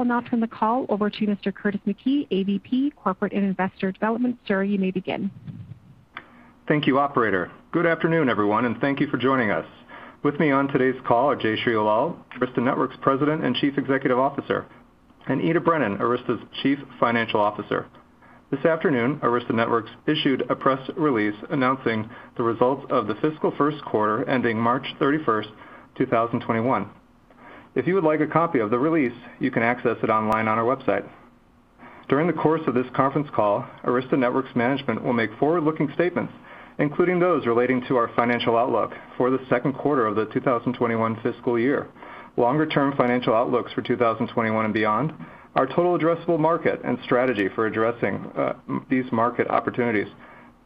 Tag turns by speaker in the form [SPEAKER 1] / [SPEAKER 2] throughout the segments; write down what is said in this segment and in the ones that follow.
[SPEAKER 1] I will now turn the call over to Mr. Curtis McKee, AVP, Corporate and Investor Development. Sir, you may begin.
[SPEAKER 2] Thank you, operator. Good afternoon, everyone, and thank you for joining us. With me on today's call are Jayshree Ullal, Arista Networks President and Chief Executive Officer, and Ita Brennan, Arista's Chief Financial Officer. This afternoon, Arista Networks issued a press release announcing the results of the fiscal first quarter ending March 31st, 2021. If you would like a copy of the release, you can access it online on our website. During the course of this conference call, Arista Networks management will make forward-looking statements, including those relating to our financial outlook for the second quarter of the 2021 fiscal year, longer-term financial outlooks for 2021 and beyond, our total addressable market and strategy for addressing these market opportunities,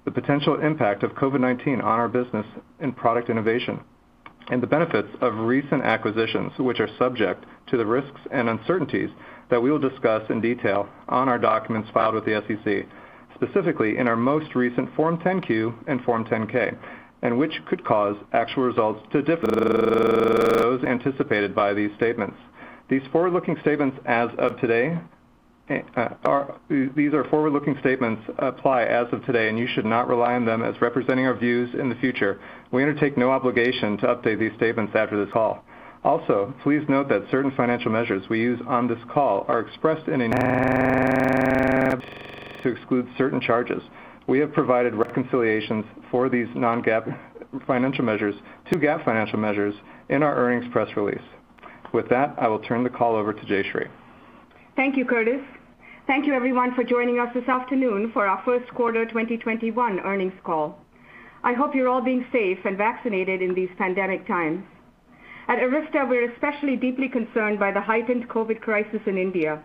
[SPEAKER 2] the potential impact of COVID-19 on our business and product innovation, and the benefits of recent acquisitions, which are subject to the risks and uncertainties that we will discuss in detail on our documents filed with the SEC, specifically in our most recent Form 10-Q and Form 10-K, and which could cause actual results to differ from those anticipated by these statements. These are forward-looking statements apply as of today, and you should not rely on them as representing our views in the future. We undertake no obligation to update these statements after this call. Please note that certain financial measures we use on this call are expressed in a non-GAAP basis to exclude certain charges. We have provided reconciliations for these non-GAAP financial measures to GAAP financial measures in our earnings press release. With that, I will turn the call over to Jayshree.
[SPEAKER 3] Thank you, Curtis. Thank you, everyone, for joining us this afternoon for our first quarter 2021 earnings call. I hope you're all being safe and vaccinated in these pandemic times. At Arista, we're especially deeply concerned by the heightened COVID crisis in India.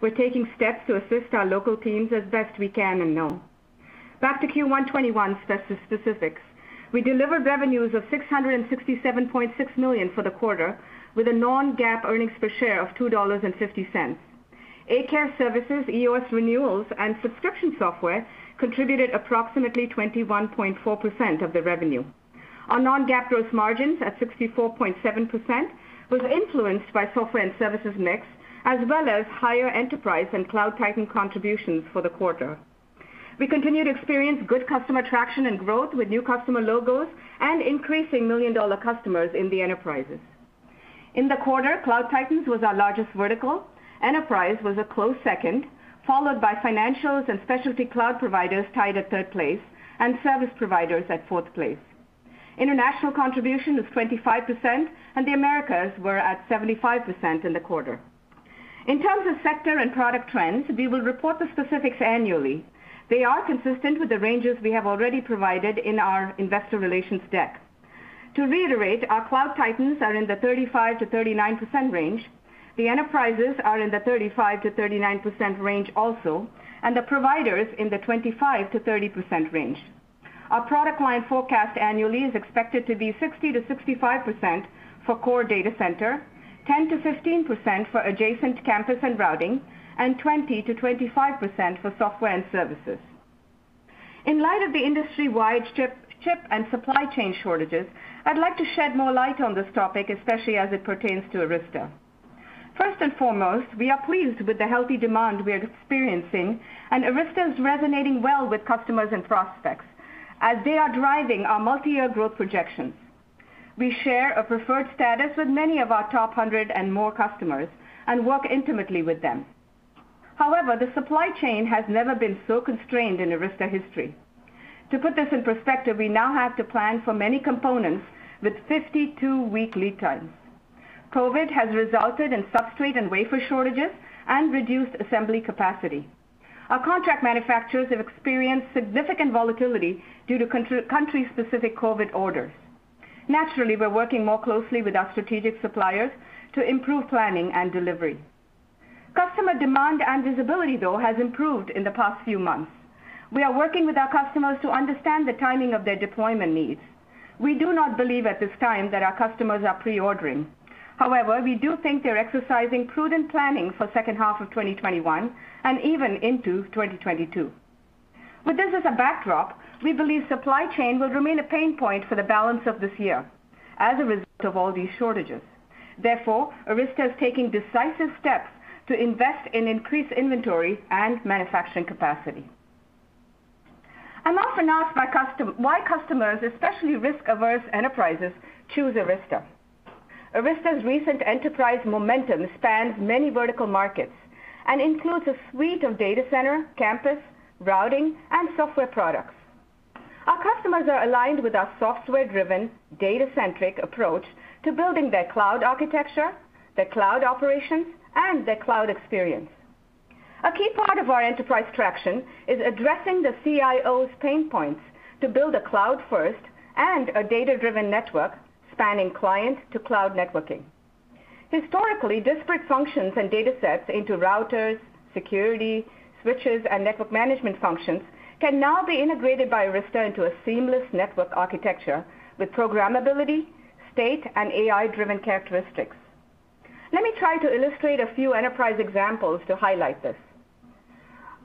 [SPEAKER 3] We're taking steps to assist our local teams as best we can and know. Back to Q1 2021 specifics. We delivered revenues of $667.6 million for the quarter with a non-GAAP earnings per share of $2.50. A-Care services, EOS renewals, and subscription software contributed approximately 21.4% of the revenue. Our non-GAAP gross margins at 64.7% was influenced by software and services mix, as well as higher enterprise and Cloud Titans contributions for the quarter. We continue to experience good customer traction and growth with new customer logos and increasing million-dollar customers in the enterprises. In the quarter, Cloud Titans was our largest vertical. Enterprise was a close second, followed by Financials and Specialty Cloud Providers tied at third place, and Service Providers at fourth place. International contribution was 25%, and the Americas were at 75% in the quarter. In terms of sector and product trends, we will report the specifics annually. They are consistent with the ranges we have already provided in our investor relations deck. To reiterate, our Cloud Titans are in the 35%-39% range. The Enterprises are in the 35%-39% range also, and the Providers in the 25%-30% range. Our product line forecast annually is expected to be 60%-65% for core data center, 10%-15% for adjacent campus and routing, and 20%-25% for software and services. In light of the industry-wide chip and supply chain shortages, I'd like to shed more light on this topic, especially as it pertains to Arista. First and foremost, we are pleased with the healthy demand we are experiencing, and Arista is resonating well with customers and prospects as they are driving our multi-year growth projections. We share a preferred status with many of our top 100 and more customers and work intimately with them. However, the supply chain has never been so constrained in Arista history. To put this in perspective, we now have to plan for many components with 52-week lead times. COVID has resulted in substrate and wafer shortages and reduced assembly capacity. Our contract manufacturers have experienced significant volatility due to country-specific COVID orders. Naturally, we're working more closely with our strategic suppliers to improve planning and delivery. Customer demand and visibility, though, has improved in the past few months. We are working with our customers to understand the timing of their deployment needs. We do not believe at this time that our customers are pre-ordering. However, we do think they're exercising prudent planning for second half of 2021 and even into 2022. With this as a backdrop, we believe supply chain will remain a pain point for the balance of this year as a result of all these shortages. Therefore, Arista is taking decisive steps to invest in increased inventory and manufacturing capacity. I'm often asked why customers, especially risk-averse enterprises, choose Arista. Arista's recent enterprise momentum spans many vertical markets and includes a suite of data center, campus, routing, and software products. Our customers are aligned with our software-driven, data-centric approach to building their cloud architecture, their cloud operations, and their cloud experience. A key part of our enterprise traction is addressing the CIO's pain points to build a cloud-first and a data-driven network spanning client to cloud networking. Historically disparate functions and data sets into routers, security, switches, and network management functions can now be integrated by Arista into a seamless network architecture with programmability, state, and AI-driven characteristics. Let me try to illustrate a few enterprise examples to highlight this.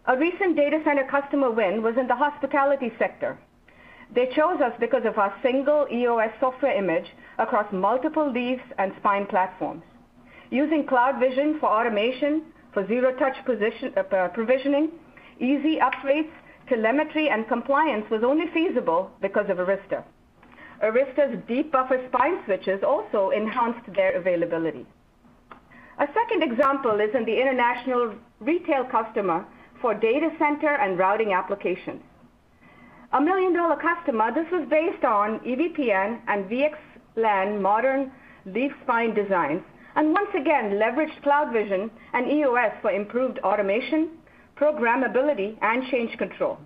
[SPEAKER 3] A recent data center customer win was in the hospitality sector. They chose us because of our single EOS software image across multiple leaves and spine platforms. Using CloudVision for automation for zero-touch provisioning, easy upgrades, telemetry, and compliance was only feasible because of Arista. Arista's deep buffer spine switches also enhanced their availability. A second example is in the international retail customer for data center and routing applications. A million-dollar customer, this was based on EVPN and VXLAN modern leaf-spine design, and once again, leveraged CloudVision and EOS for improved automation, programmability, and change control.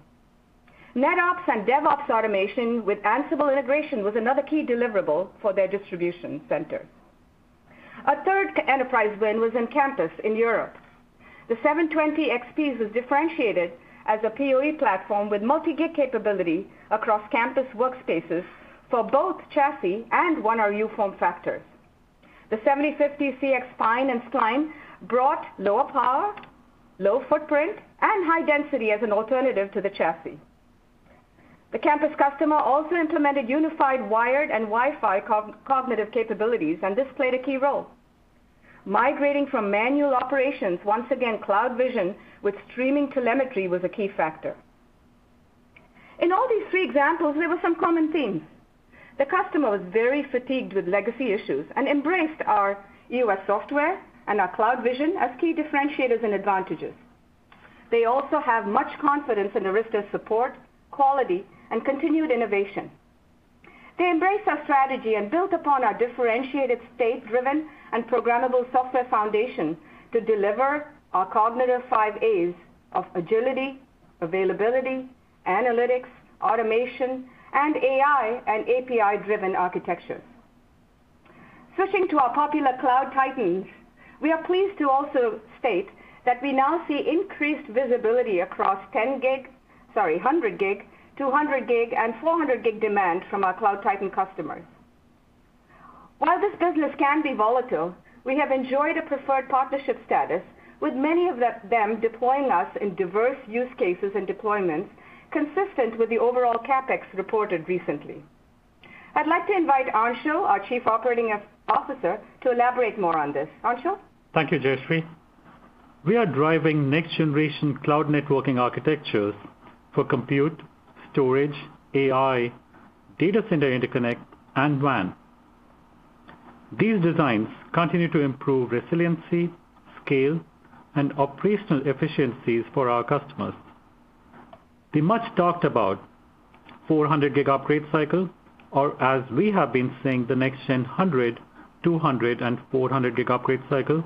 [SPEAKER 3] NetOps and DevOps automation with Ansible integration was another key deliverable for their distribution center. A third enterprise win was in campus in Europe. The 720XP was differentiated as a POE platform with multi-gig capability across campus workspaces for both chassis and 1RU form factors. The 7050CX3 spine and Spline brought lower power, low footprint, and high density as an alternative to the chassis. The campus customer also implemented unified wired and Wi-Fi cognitive capabilities, and this played a key role. Migrating from manual operations, once again, CloudVision with streaming telemetry was a key factor. In all these three examples, there were some common themes. The customer was very fatigued with legacy issues and embraced our EOS software and our CloudVision as key differentiators and advantages. They also have much confidence in Arista support, quality, and continued innovation. They embraced our strategy and built upon our differentiated state-driven and programmable software foundation to deliver our cognitive five As of agility, availability, analytics, automation, and AI, and API-driven architectures. Switching to our popular Cloud Titans, we are pleased to also state that we now see increased visibility across 100G, 200G, and 400G demand from our Cloud Titan customers. While this business can be volatile, we have enjoyed a preferred partnership status, with many of them deploying us in diverse use cases and deployments consistent with the overall CapEx reported recently. I'd like to invite Anshul, our Chief Operating Officer, to elaborate more on this. Anshul?
[SPEAKER 4] Thank you, Jayshree. We are driving next-generation cloud networking architectures for compute, storage, AI, data center interconnect, and WAN. These designs continue to improve resiliency, scale, and operational efficiencies for our customers. The much-talked-about 400G upgrade cycle, or as we have been saying, the next gen 100G, 200G, and 400G upgrade cycle,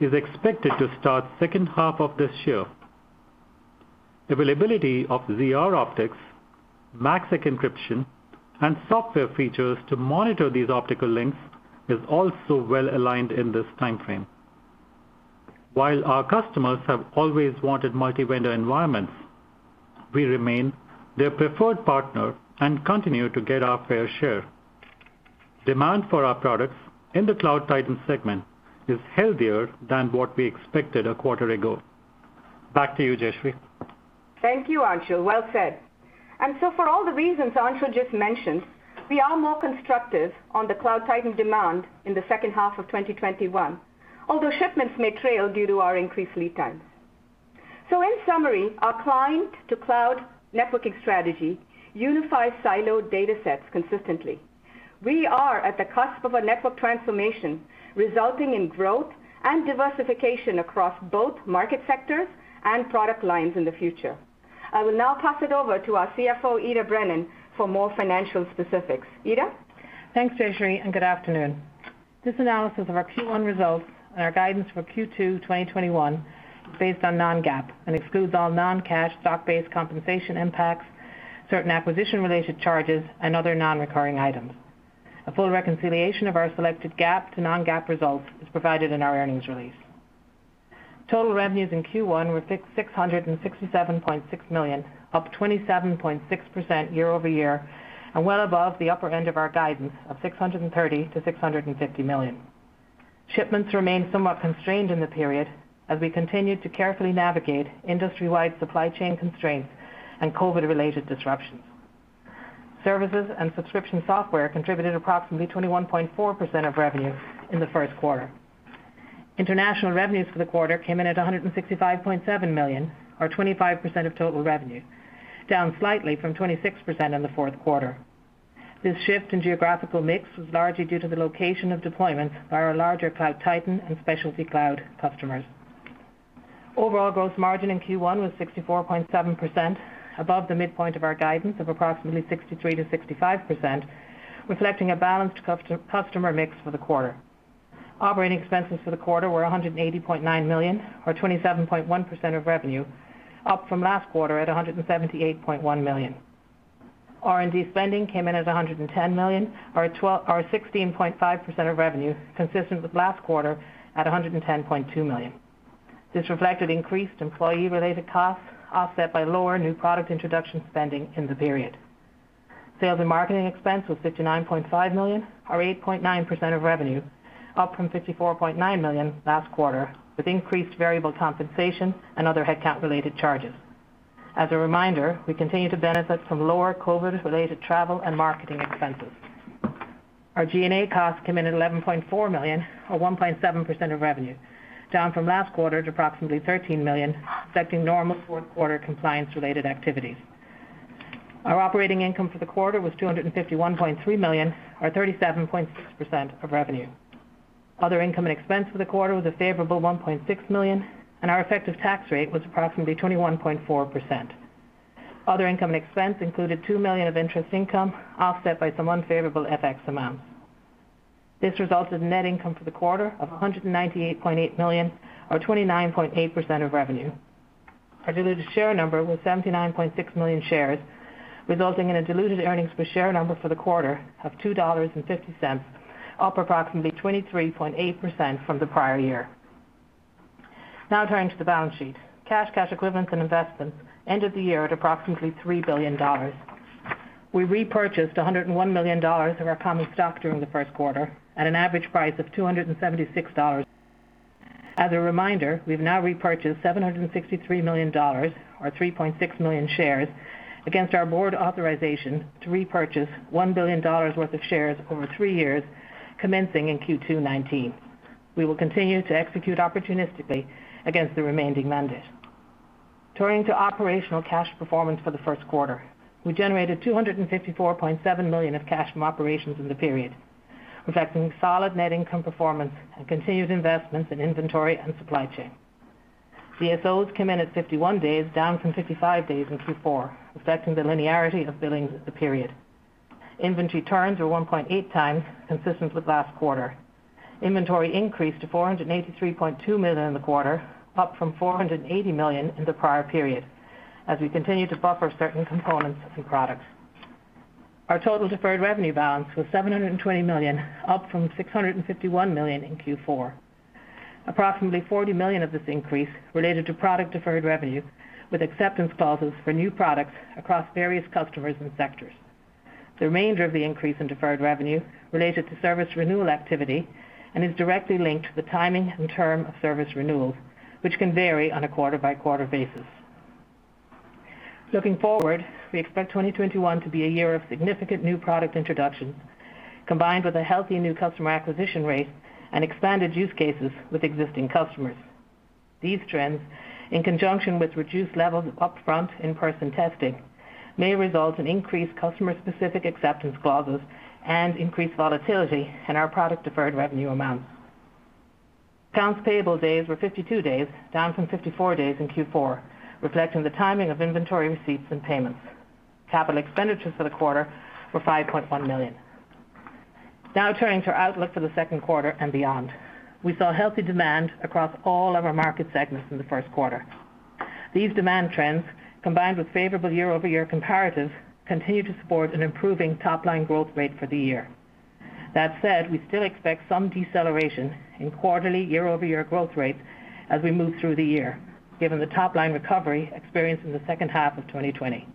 [SPEAKER 4] is expected to start second half of this year. Availability of ZR optics, MACsec encryption, and software features to monitor these optical links is also well-aligned in this timeframe. While our customers have always wanted multi-vendor environments, we remain their preferred partner and continue to get our fair share. Demand for our products in the Cloud Titan segment is healthier than what we expected a quarter ago. Back to you, Jayshree.
[SPEAKER 3] Thank you, Anshul. Well said. For all the reasons Anshul just mentioned, we are more constructive on the Cloud Titan demand in the second half of 2021, although shipments may trail due to our increased lead times. In summary, our client to cloud networking strategy unifies siloed data sets consistently. We are at the cusp of a network transformation, resulting in growth and diversification across both market sectors and product lines in the future. I will now pass it over to our CFO, Ita Brennan, for more financial specifics. Ita?
[SPEAKER 5] Thanks, Jayshree. Good afternoon. This analysis of our Q1 results and our guidance for Q2 2021 is based on non-GAAP and excludes all non-cash stock-based compensation impacts, certain acquisition-related charges, and other non-recurring items. A full reconciliation of our selected GAAP to non-GAAP results is provided in our earnings release. Total revenues in Q1 were $667.6 million, up 27.6% year-over-year, well above the upper end of our guidance of $630 million-$650 million. Shipments remained somewhat constrained in the period as we continued to carefully navigate industry-wide supply chain constraints and COVID-related disruptions. Services and subscription software contributed approximately 21.4% of revenue in the first quarter. International revenues for the quarter came in at $165.7 million, or 25% of total revenue, down slightly from 26% in the fourth quarter. This shift in geographical mix was largely due to the location of deployments by our larger Cloud Titan and Specialty Cloud customers. Overall gross margin in Q1 was 64.7%, above the midpoint of our guidance of approximately 63%-65%, reflecting a balanced customer mix for the quarter. Operating expenses for the quarter were $180.9 million, or 27.1% of revenue, up from last quarter at $178.1 million. R&D spending came in at $110 million or 16.5% of revenue, consistent with last quarter at $110.2 million. This reflected increased employee-related costs offset by lower new product introduction spending in the period. Sales and marketing expense was $59.5 million, or 8.9% of revenue, up from $54.9 million last quarter, with increased variable compensation and other headcount-related charges. As a reminder, we continue to benefit from lower COVID-related travel and marketing expenses. Our G&A costs came in at $11.4 million, or 1.7% of revenue, down from last quarter to approximately $13 million, reflecting normal fourth quarter compliance-related activities. Our operating income for the quarter was $251.3 million, or 37.6% of revenue. Other income and expense for the quarter was a favorable $1.6 million, and our effective tax rate was approximately 21.4%. Other income and expense included $2 million of interest income, offset by some unfavorable FX amounts. This resulted in net income for the quarter of $198.8 million, or 29.8% of revenue. Our diluted share number was 79.6 million shares, resulting in a diluted earnings per share number for the quarter of $2.50, up approximately 23.8% from the prior year. Now turning to the balance sheet. Cash, cash equivalents and investments ended the year at approximately $3 billion. We repurchased $101 million of our common stock during the first quarter at an average price of $276. As a reminder, we've now repurchased $763 million, or 3.6 million shares, against our board authorization to repurchase $1 billion worth of shares over three years, commencing in Q2 2019. We will continue to execute opportunistically against the remaining mandate. Turning to operational cash performance for the first quarter. We generated $254.7 million of cash from operations in the period, reflecting solid net income performance and continued investments in inventory and supply chain. DSOs came in at 51 days, down from 55 days in Q4, reflecting the linearity of billings with the period. Inventory turns were 1.8x, consistent with last quarter. Inventory increased to $483.2 million in the quarter, up from $480 million in the prior period, as we continue to buffer certain components and products. Our total deferred revenue balance was $720 million, up from $651 million in Q4. Approximately $40 million of this increase related to product deferred revenue, with acceptance clauses for new products across various customers and sectors. The remainder of the increase in deferred revenue related to service renewal activity, and is directly linked to the timing and term of service renewals, which can vary on a quarter-by-quarter basis. Looking forward, we expect 2021 to be a year of significant new product introductions, combined with a healthy new customer acquisition rate and expanded use cases with existing customers. These trends, in conjunction with reduced levels of upfront in-person testing, may result in increased customer-specific acceptance clauses and increased volatility in our product deferred revenue amounts. Accounts payable days were 52 days, down from 54 days in Q4, reflecting the timing of inventory receipts and payments. Capital expenditures for the quarter were $5.1 million. Turning to our outlook for the second quarter and beyond. We saw healthy demand across all of our market segments in the first quarter. These demand trends, combined with favorable year-over-year comparatives, continue to support an improving top-line growth rate for the year. We still expect some deceleration in quarterly year-over-year growth rates as we move through the year, given the top-line recovery experienced in the second half of 2020.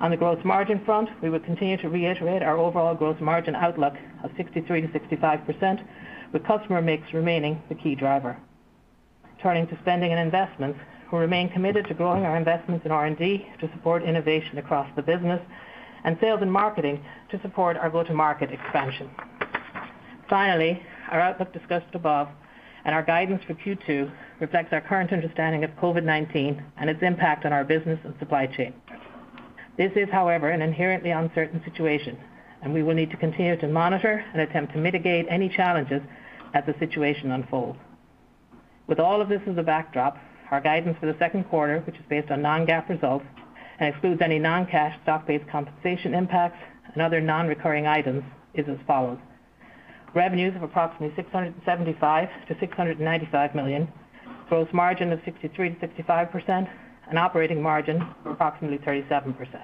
[SPEAKER 5] On the gross margin front, we will continue to reiterate our overall gross margin outlook of 63%-65%, with customer mix remaining the key driver. Turning to spending and investments. We remain committed to growing our investments in R&D to support innovation across the business, and sales and marketing to support our go-to-market expansion. Finally, our outlook discussed above and our guidance for Q2 reflects our current understanding of COVID-19 and its impact on our business and supply chain. This is, however, an inherently uncertain situation, and we will need to continue to monitor and attempt to mitigate any challenges as the situation unfolds. With all of this as a backdrop, our guidance for the second quarter, which is based on non-GAAP results and excludes any non-cash stock-based compensation impacts and other non-recurring items, is as follows. Revenues of approximately $675 million-$695 million, gross margin of 63%-65%, and operating margin of approximately 37%.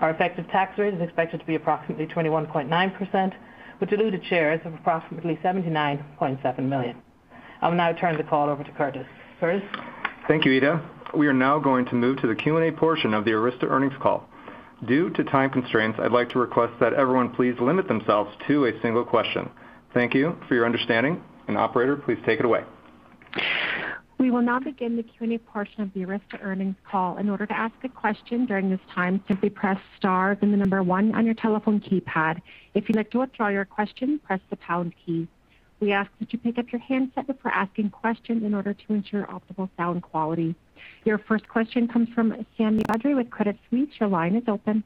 [SPEAKER 5] Our effective tax rate is expected to be approximately 21.9%, with diluted shares of approximately 79.7 million. I'll now turn the call over to Curtis. Curtis?
[SPEAKER 2] Thank you, Ita. We are now going to move to the Q&A portion of the Arista earnings call. Due to time constraints, I'd like to request that everyone please limit themselves to a single question. Thank you for your understanding. Operator, please take it away.
[SPEAKER 1] We will now begin the Q&A portion of the Arista earnings call. Your first question comes from Sami Badri with Credit Suisse. Your line is open.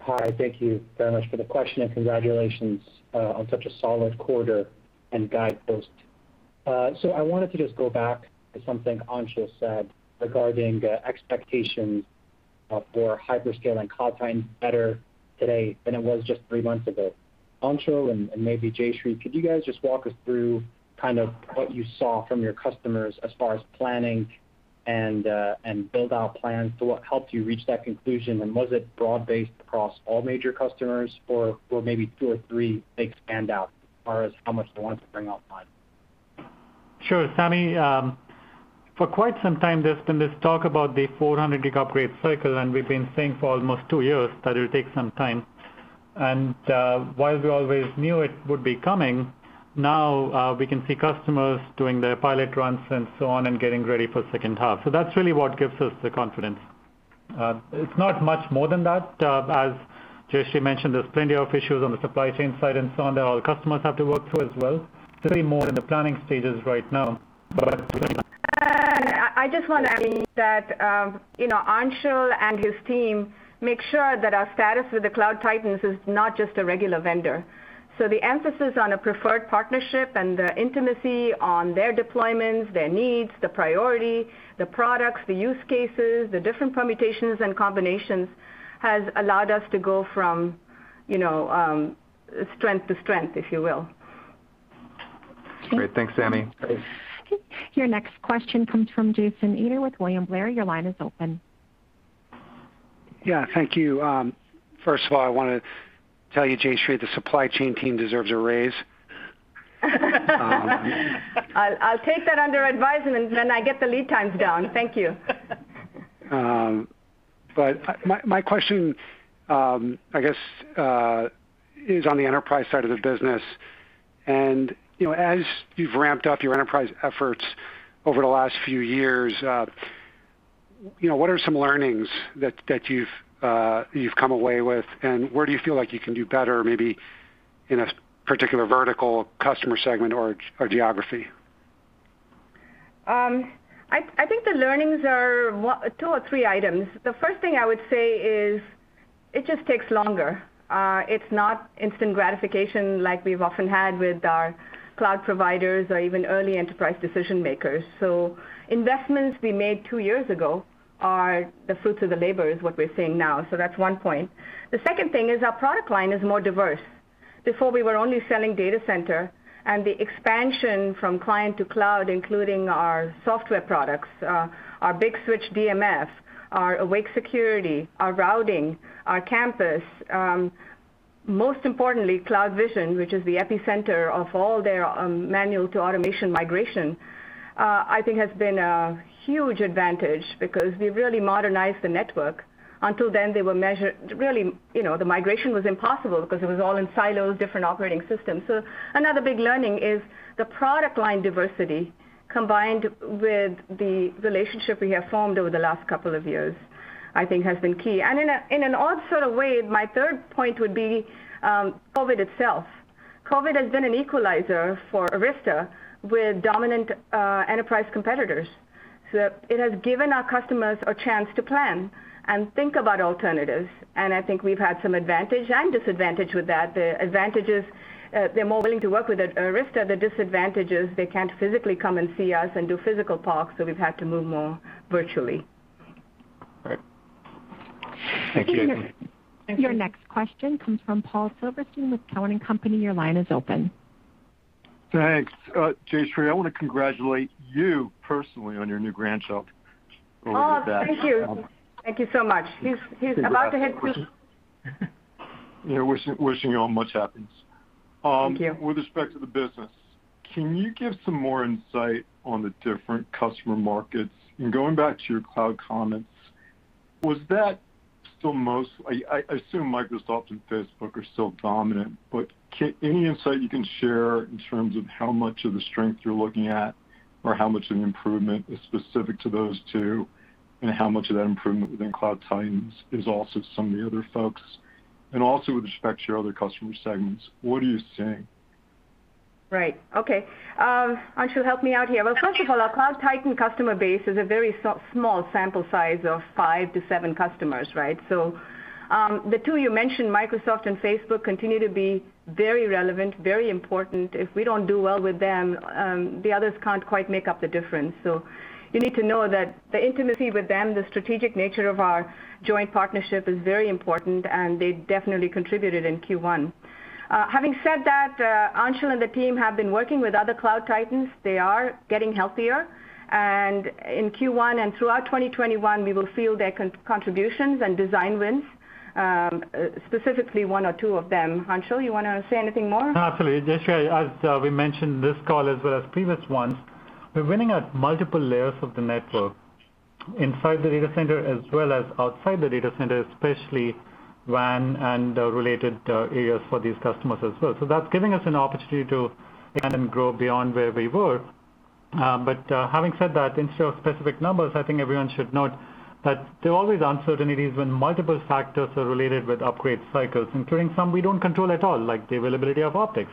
[SPEAKER 6] Hi. Thank you very much for the question, and congratulations on such a solid quarter and guide post. I wanted to just go back to something Anshul said regarding expectations for hyperscale and Cloud Titans better today than it was just three months ago. Anshul and maybe Jayshree, could you guys just walk us through what you saw from your customers as far as planning and build-out plans to what helped you reach that conclusion? Was it broad-based across all major customers or were maybe two or three big standouts as far as how much they wanted to bring online?
[SPEAKER 4] Sure, Sami. For quite some time, there's been this talk about the 400G upgrade cycle. We've been saying for almost two years that it'll take some time. While we always knew it would be coming, now we can see customers doing their pilot runs and so on, and getting ready for the second half. That's really what gives us the confidence. It's not much more than that. As Jayshree mentioned, there's plenty of issues on the supply chain side and so on that all customers have to work through as well. It's really more in the planning stages right now.
[SPEAKER 3] I just want to add that Anshul and his team make sure that our status with the Cloud Titans is not just a regular vendor. The emphasis on a preferred partnership and the intimacy on their deployments, their needs, the priority, the products, the use cases, the different permutations and combinations, has allowed us to go from strength to strength, if you will.
[SPEAKER 6] Great.
[SPEAKER 2] Thanks, Sami.
[SPEAKER 1] Your next question comes from Jason Ader with William Blair. Your line is open.
[SPEAKER 7] Yeah, thank you. First of all, I want to tell you, Jayshree, the supply chain team deserves a raise.
[SPEAKER 3] I'll take that under advisement when I get the lead times down. Thank you.
[SPEAKER 7] My question, I guess, is on the enterprise side of the business. As you've ramped up your enterprise efforts over the last few years, what are some learnings that you've come away with, and where do you feel like you can do better, maybe in a particular vertical customer segment or geography?
[SPEAKER 3] I think the learnings are two or three items. The first thing I would say is, it just takes longer. It's not instant gratification like we've often had with our cloud providers or even early enterprise decision-makers. Investments we made two years ago are the fruits of the labor, is what we're seeing now. That's one point. The second thing is our product line is more diverse. Before, we were only selling data center and the expansion from client to cloud, including our software products, our Big Switch DMF, our Awake Security, our routing, our campus. Most importantly, CloudVision, which is the epicenter of all their manual-to-automation migration, I think has been a huge advantage because we've really modernized the network. Until then, they were measured Really, the migration was impossible because it was all in silos, different operating systems. Another big learning is the product line diversity combined with the relationship we have formed over the last couple of years, I think has been key. In an odd sort of way, my third point would be COVID itself. COVID has been an equalizer for Arista with dominant enterprise competitors. It has given our customers a chance to plan and think about alternatives, and I think we've had some advantage and disadvantage with that. The advantage is, they're more willing to work with Arista. The disadvantage is they can't physically come and see us and do physical POC, so we've had to move more virtually.
[SPEAKER 7] Right.
[SPEAKER 2] Thank you.
[SPEAKER 1] Your next question comes from Paul Silverstein with Cowen and Company. Your line is open.
[SPEAKER 8] Thanks. Jayshree, I want to congratulate you personally on your new grandchild.
[SPEAKER 3] Oh, thank you. Thank you so much. He's about to hit three.
[SPEAKER 8] Wishing you all much happiness.
[SPEAKER 3] Thank you.
[SPEAKER 8] With respect to the business, can you give some more insight on the different customer markets? Going back to your cloud comments, was that still most I assume Microsoft and Facebook are still dominant, but any insight you can share in terms of how much of the strength you're looking at, or how much of the improvement is specific to those two, and how much of that improvement within Cloud Titans is also some of the other folks? Also with respect to your other customer segments, what are you seeing?
[SPEAKER 3] Right. Okay. Anshul, help me out here. Well, first of all, our Cloud Titan customer base is a very small sample size of five to seven customers, right? The two you mentioned, Microsoft and Facebook, continue to be very relevant, very important. If we don't do well with them, the others can't quite make up the difference. You need to know that the intimacy with them, the strategic nature of our joint partnership is very important, and they definitely contributed in Q1. Having said that, Anshul and the team have been working with other Cloud Titans. They are getting healthier. In Q1 and throughout 2021, we will feel their contributions and design wins, specifically one or two of them. Anshul, you want to say anything more?
[SPEAKER 4] Absolutely. Jayshree, as we mentioned this call as well as previous ones, we're winning at multiple layers of the network, inside the data center as well as outside the data center, especially WAN and related areas for these customers as well. That's giving us an opportunity to expand and grow beyond where we were. Having said that, instead of specific numbers, I think everyone should note that there are always uncertainties when multiple factors are related with upgrade cycles, including some we don't control at all, like the availability of optics.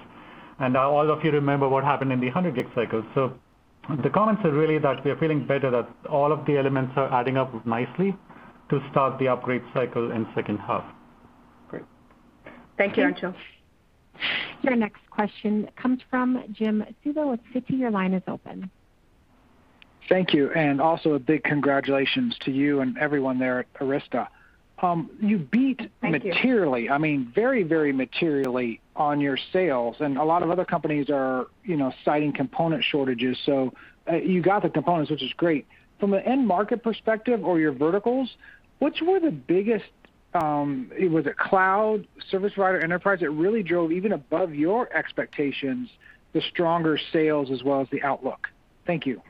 [SPEAKER 4] All of you remember what happened in the 100G cycles. The comments are really that we are feeling better that all of the elements are adding up nicely to start the upgrade cycle in second half.
[SPEAKER 8] Great.
[SPEAKER 3] Thank you, Anshul.
[SPEAKER 1] Your next question comes from Jim Suva with Citi. Your line is open.
[SPEAKER 9] Thank you. Also a big congratulations to you and everyone there at Arista.
[SPEAKER 3] Thank you.
[SPEAKER 9] You beat materially, I mean very, very materially on your sales. A lot of other companies are citing component shortages. You got the components, which is great. From an end market perspective or your verticals, which were the biggest? Was it cloud, service provider, enterprise that really drove even above your expectations, the stronger sales as well as the outlook? Thank you.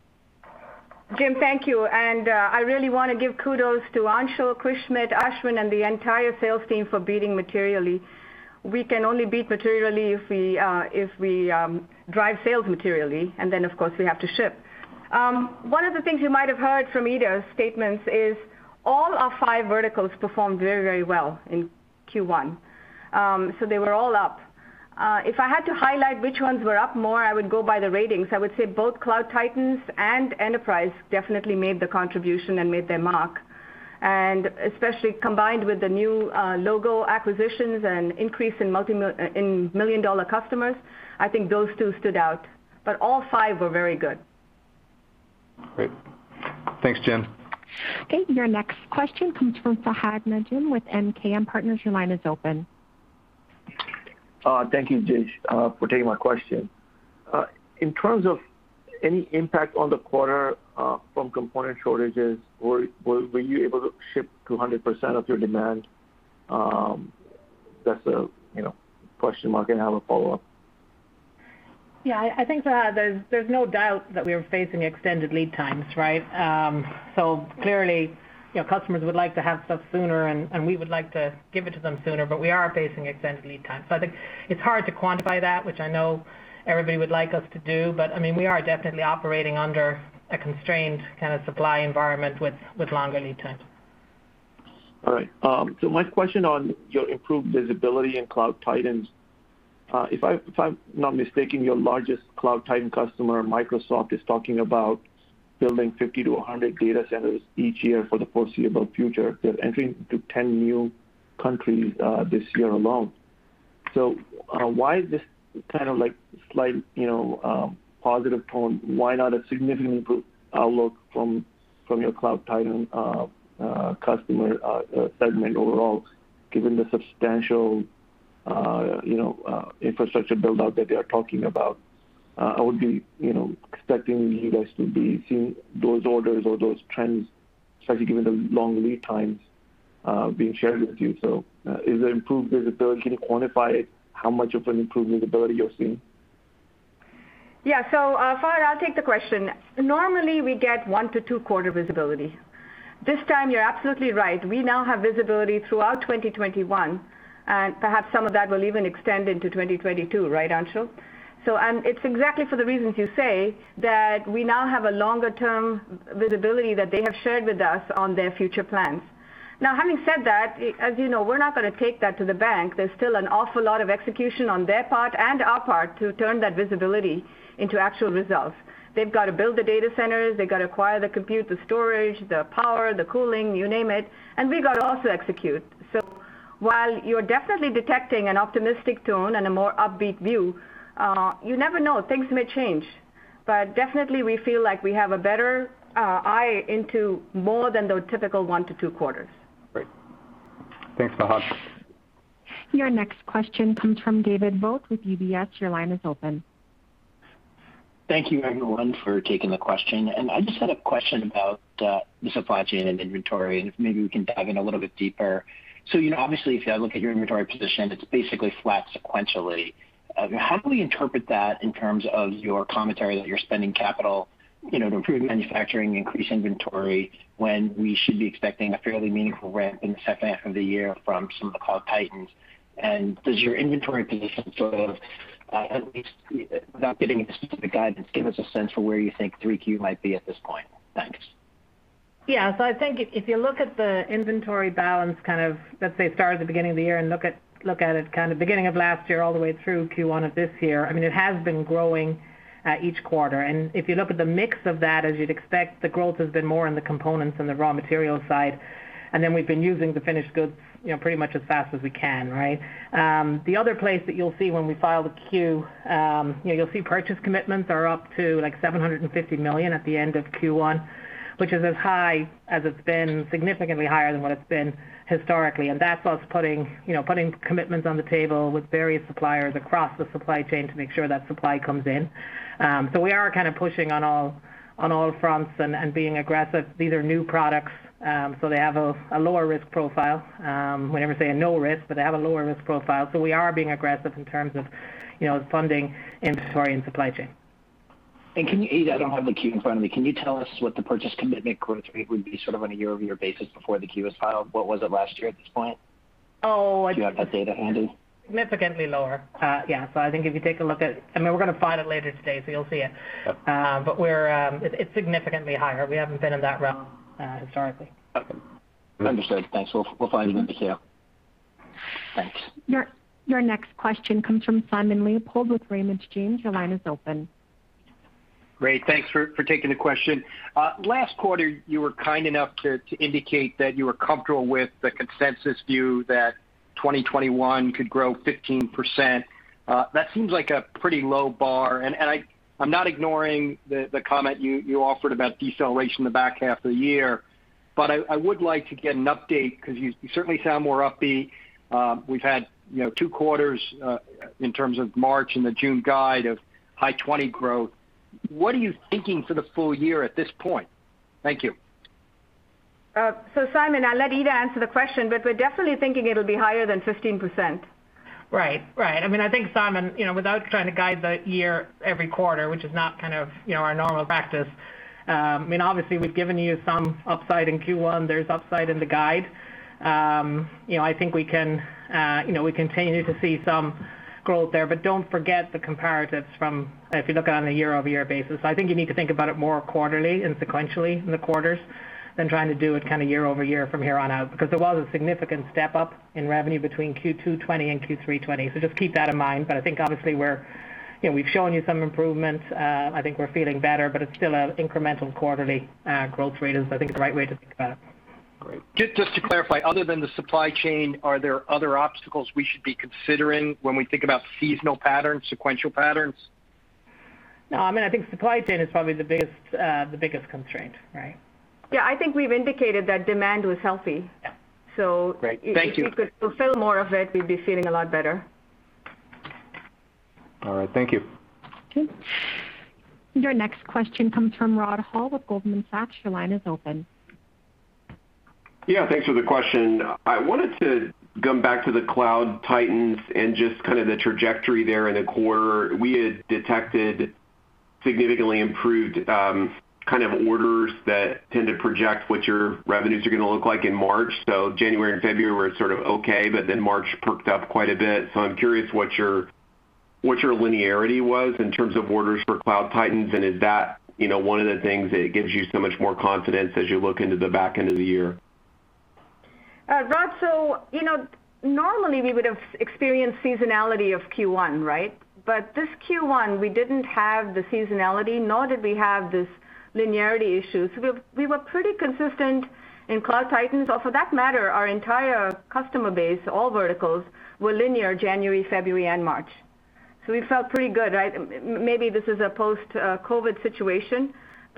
[SPEAKER 3] Jim, thank you. I really want to give kudos to Anshul, Chris Schmidt, Ashwin, and the entire sales team for beating materially. We can only beat materially if we drive sales materially, and then of course, we have to ship. One of the things you might have heard from Ita's statements is all our five verticals performed very well in Q1. They were all up. If I had to highlight which ones were up more, I would go by the ratings. I would say both Cloud Titans and Enterprise definitely made the contribution and made their mark. Especially combined with the new logo acquisitions and increase in million-dollar customers, I think those two stood out. All five were very good.
[SPEAKER 9] Great.
[SPEAKER 2] Thanks, Jim.
[SPEAKER 1] Okay, your next question comes from Fahad Najam with MKM Partners. Your line is open.
[SPEAKER 10] Thank you, Jayshree, for taking my question. In terms of any impact on the quarter from component shortages, were you able to ship 200% of your demand? That's a question mark, and I have a follow-up.
[SPEAKER 5] I think, Fahad, there's no doubt that we are facing extended lead times, right? Clearly, customers would like to have stuff sooner, and we would like to give it to them sooner, but we are facing extended lead times. I think it's hard to quantify that, which I know everybody would like us to do. We are definitely operating under a constrained kind of supply environment with longer lead times.
[SPEAKER 10] All right. My question on your improved visibility in Cloud Titans, if I'm not mistaken, your largest Cloud Titan customer, Microsoft, is talking about building 50 to 100 data centers each year for the foreseeable future. They're entering into 10 new countries this year alone. Why this kind of slight positive tone? Why not a significant outlook from your Cloud Titan customer segment overall, given the substantial infrastructure build-out that they are talking about? I would be expecting you guys to be seeing those orders or those trends, especially given the long lead times being shared with you. Is there improved visibility? Can you quantify how much of an improved visibility you're seeing?
[SPEAKER 3] Yeah. Fahad, I'll take the question. Normally, we get one to two quarter visibility. This time, you're absolutely right. We now have visibility throughout 2021, and perhaps some of that will even extend into 2022, right, Anshul? It's exactly for the reasons you say that we now have a longer-term visibility that they have shared with us on their future plans. Having said that, as you know, we're not going to take that to the bank. There's still an awful lot of execution on their part and our part to turn that visibility into actual results. They've got to build the data centers. They've got to acquire the compute, the storage, the power, the cooling, you name it, we've got to also execute. While you're definitely detecting an optimistic tone and a more upbeat view, you never know, things may change. Definitely, we feel like we have a better eye into more than the typical one to two quarters.
[SPEAKER 10] Great.
[SPEAKER 2] Thanks, Fahad.
[SPEAKER 1] Your next question comes from David Vogt with UBS. Your line is open.
[SPEAKER 11] Thank you everyone for taking the question. I just had a question about the supply chain and inventory, and if maybe we can dive in a little bit deeper. Obviously if you look at your inventory position, it's basically flat sequentially. How do we interpret that in terms of your commentary that you're spending capital to improve manufacturing, increase inventory, when we should be expecting a fairly meaningful ramp in the second half of the year from some of the Cloud Titans? Does your inventory position sort of, at least without getting into specific guidance, give us a sense for where you think 3Q might be at this point? Thanks.
[SPEAKER 5] Yeah. I think if you look at the inventory balance, let's say start at the beginning of the year and look at it beginning of last year all the way through Q1 of this year, it has been growing each quarter. If you look at the mix of that, as you'd expect, the growth has been more in the components and the raw material side. We've been using the finished goods pretty much as fast as we can, right? The other place that you'll see when we file the Q, you'll see purchase commitments are up to $750 million at the end of Q1, which is as high as it's been, significantly higher than what it's been historically. That's us putting commitments on the table with various suppliers across the supply chain to make sure that supply comes in. We are pushing on all fronts and being aggressive. These are new products, so they have a lower risk profile. We never say a no risk, but they have a lower risk profile. We are being aggressive in terms of funding inventory and supply chain.
[SPEAKER 11] Can you, Ita, I don't have the Q in front of me, can you tell us what the purchase commitment growth rate would be sort of on a year-over-year basis before the Q was filed? What was it last year at this point?
[SPEAKER 5] Oh.
[SPEAKER 11] Do you have that data handy?
[SPEAKER 5] Significantly lower. Yeah. We're going to file it later today, so you'll see it.
[SPEAKER 11] Okay.
[SPEAKER 5] It's significantly higher. We haven't been in that realm historically.
[SPEAKER 11] Okay. Understood. Thanks. We'll find it in the Q. Thanks.
[SPEAKER 1] Your next question comes from Simon Leopold with Raymond James. Your line is open.
[SPEAKER 12] Great. Thanks for taking the question. Last quarter, you were kind enough to indicate that you were comfortable with the consensus view that 2021 could grow 15%. That seems like a pretty low bar, and I'm not ignoring the comment you offered about deceleration in the back half of the year, but I would like to get an update because you certainly sound more upbeat. We've had two quarters in terms of March and the June guide of high 20% growth. What are you thinking for the full year at this point? Thank you.
[SPEAKER 3] Simon, I'll let Ita answer the question, but we're definitely thinking it'll be higher than 15%.
[SPEAKER 5] Right. I think, Simon, without trying to guide the year every quarter, which is not our normal practice, obviously we've given you some upside in Q1. There's upside in the guide. I think we continue to see some growth there. Don't forget the comparatives if you look on a year-over-year basis. I think you need to think about it more quarterly and sequentially in the quarters than trying to do it year-over-year from here on out, because there was a significant step up in revenue between Q2 2020 and Q3 2020. Just keep that in mind. I think obviously we've shown you some improvements. I think we're feeling better, but it's still an incremental quarterly growth rate, is I think the right way to think about it.
[SPEAKER 12] Great. Just to clarify, other than the supply chain, are there other obstacles we should be considering when we think about seasonal patterns, sequential patterns?
[SPEAKER 5] No, I think supply chain is probably the biggest constraint, right?
[SPEAKER 3] Yeah, I think we've indicated that demand was healthy.
[SPEAKER 12] Yeah. Great. Thank you.
[SPEAKER 3] If we could fulfill more of it, we'd be feeling a lot better.
[SPEAKER 12] All right. Thank you.
[SPEAKER 3] Okay.
[SPEAKER 1] Your next question comes from Rod Hall with Goldman Sachs. Your line is open.
[SPEAKER 13] Yeah, thanks for the question. I wanted to come back to the Cloud Titans and just the trajectory there in the quarter. We had detected significantly improved orders that tend to project what your revenues are going to look like in March. January and February were sort of okay, but then March perked up quite a bit. I'm curious what your linearity was in terms of orders for Cloud Titans, and is that one of the things that gives you so much more confidence as you look into the back end of the year?
[SPEAKER 3] Rod, normally we would've experienced seasonality of Q1, right? This Q1, we didn't have the seasonality, nor did we have this linearity issue. We were pretty consistent in Cloud Titans. For that matter, our entire customer base, all verticals, were linear January, February and March. We felt pretty good. Maybe this is a post-COVID situation,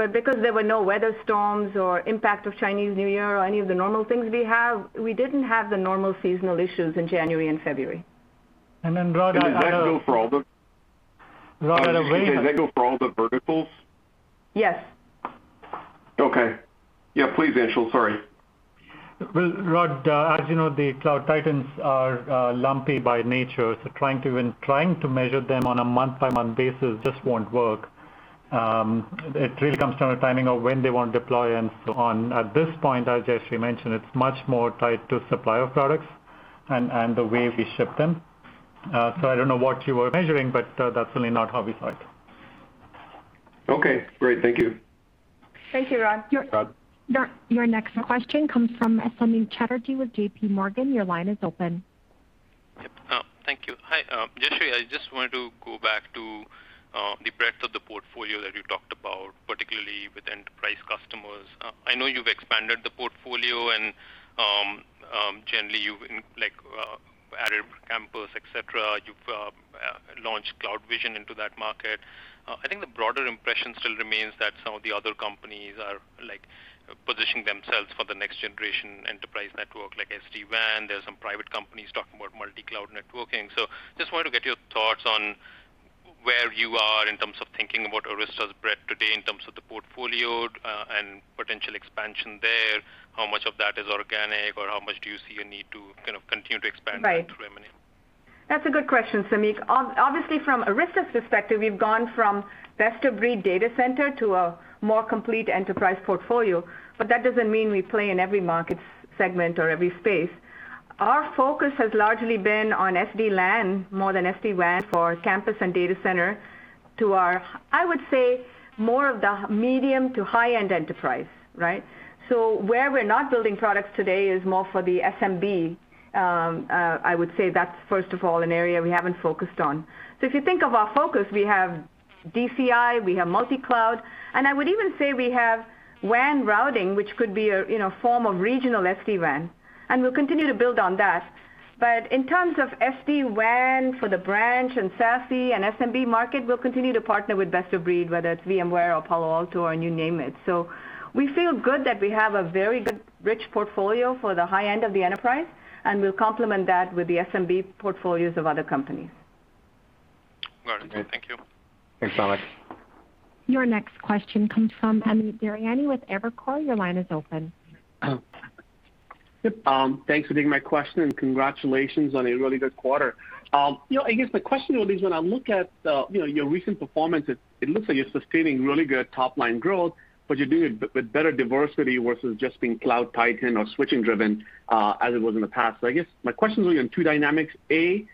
[SPEAKER 3] because there were no weather storms or impact of Chinese New Year or any of the normal things we have, we didn't have the normal seasonal issues in January and February.
[SPEAKER 4] Rod,
[SPEAKER 13] Does that go for all the?
[SPEAKER 4] Rod,
[SPEAKER 13] Does that go for all the verticals?
[SPEAKER 3] Yes.
[SPEAKER 13] Okay. Yeah, please Anshul. Sorry.
[SPEAKER 4] Well, Rod, as you know, the Cloud Titans are lumpy by nature, trying to measure them on a month-by-month basis just won't work. It really comes down to timing of when they want to deploy and so on. At this point, as Jayshree mentioned, it's much more tied to supply of products and the way we ship them. I don't know what you were measuring, but that's really not how we saw it.
[SPEAKER 13] Okay, great. Thank you.
[SPEAKER 3] Thank you, Rod.
[SPEAKER 1] Your next question comes from Samik Chatterjee with JPMorgan. Your line is open.
[SPEAKER 14] Yep. Thank you. Hi, Jayshree. I just wanted to go back to the breadth of the portfolio that you talked about, particularly with enterprise customers. I know you've expanded the portfolio and generally you've added campus, et cetera. You've launched CloudVision into that market. I think the broader impression still remains that some of the other companies are positioning themselves for the next generation enterprise network, like SD-WAN. There's some private companies talking about multi-cloud networking. Just wanted to get your thoughts on where you are in terms of thinking about Arista's breadth today in terms of the portfolio, and potential expansion there. How much of that is organic or how much do you see a need to continue to expand?
[SPEAKER 3] Right
[SPEAKER 14] through M&A?
[SPEAKER 3] That's a good question, Samik. Obviously from Arista's perspective, we've gone from best-of-breed data center to a more complete enterprise portfolio, but that doesn't mean we play in every market segment or every space. Our focus has largely been on SD-LAN more than SD-WAN for campus and data center to our, I would say more of the medium to high-end enterprise. Where we're not building products today is more for the SMB. I would say that's first of all an area we haven't focused on. If you think of our focus, we have DCI, we have multi-cloud, and I would even say we have WAN routing, which could be a form of regional SD-WAN, and we'll continue to build on that. In terms of SD-WAN for the branch and SASE and SMB market, we'll continue to partner with best of breed, whether it's VMware or Palo Alto or you name it. We feel good that we have a very good, rich portfolio for the high end of the enterprise, and we'll complement that with the SMB portfolios of other companies.
[SPEAKER 14] Got it. Thank you.
[SPEAKER 2] Thanks, Samik.
[SPEAKER 1] Your next question comes from Amit Daryanani with Evercore. Your line is open.
[SPEAKER 15] Yep. Thanks for taking my question and congratulations on a really good quarter. I guess the question would be, when I look at your recent performance, it looks like you're sustaining really good top-line growth, but you're doing it with better diversity versus just being Cloud Titans or switching driven, as it was in the past. I guess my question is on two dynamics. A,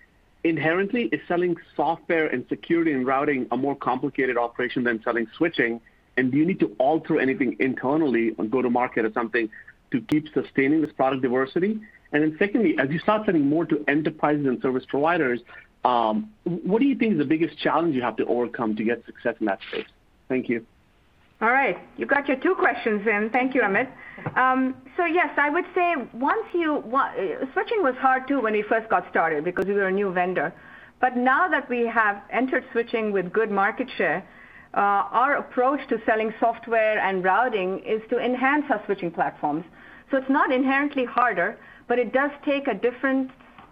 [SPEAKER 15] inherently, is selling software and security and routing a more complicated operation than selling switching? Do you need to alter anything internally on go-to-market or something to keep sustaining this product diversity? Secondly, as you start selling more to enterprises and Service Providers, what do you think is the biggest challenge you have to overcome to get success in that space? Thank you.
[SPEAKER 3] All right. You got your two questions in. Thank you, Amit. Yes, I would say switching was hard, too, when we first got started because we were a new vendor. Now that we have entered switching with good market share, our approach to selling software and routing is to enhance our switching platforms. It's not inherently harder, but it does take a different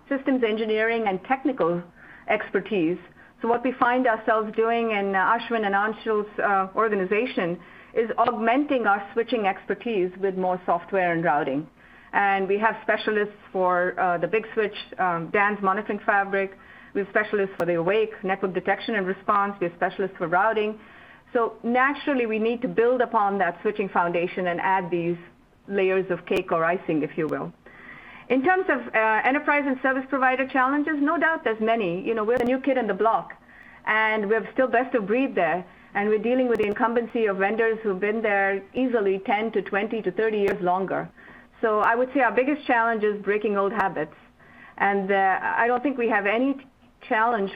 [SPEAKER 3] systems engineering and technical expertise. What we find ourselves doing in Ashwin and Anshul's organization is augmenting our switching expertise with more software and routing. We have specialists for the Big Switch, DANZ Monitoring Fabric. We have specialists for the Awake network detection and response. We have specialists for routing. Naturally, we need to build upon that switching foundation and add these layers of cake or icing, if you will. In terms of Enterprise and Service Provider challenges, no doubt there's many. We're the new kid on the block, we're still best of breed there, we're dealing with the incumbency of vendors who've been there easily 10 to 20 to 30 years longer. I would say our biggest challenge is breaking old habits. I don't think we have any challenge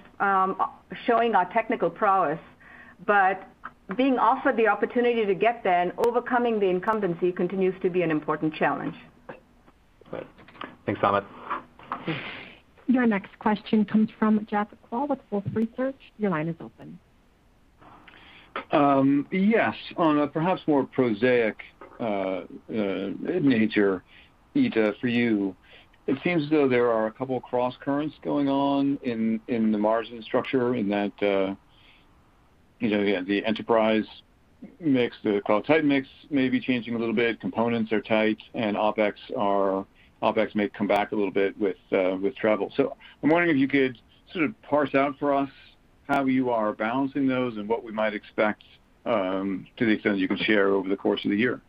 [SPEAKER 3] showing our technical prowess, but being offered the opportunity to get there and overcoming the incumbency continues to be an important challenge.
[SPEAKER 15] Great.
[SPEAKER 2] Thanks, Amit.
[SPEAKER 1] Your next question comes from Jeff Kvaal with Wolfe Research. Your line is open.
[SPEAKER 16] Yes. On a perhaps more prosaic nature, Ita, for you, it seems as though there are a couple of cross currents going on in the margin structure in that, again, the enterprise mix, the cloud type mix may be changing a little bit, components are tight, and OpEx may come back a little bit with travel. I'm wondering if you could sort of parse out for us how you are balancing those and what we might expect to the extent you can share over the course of the year.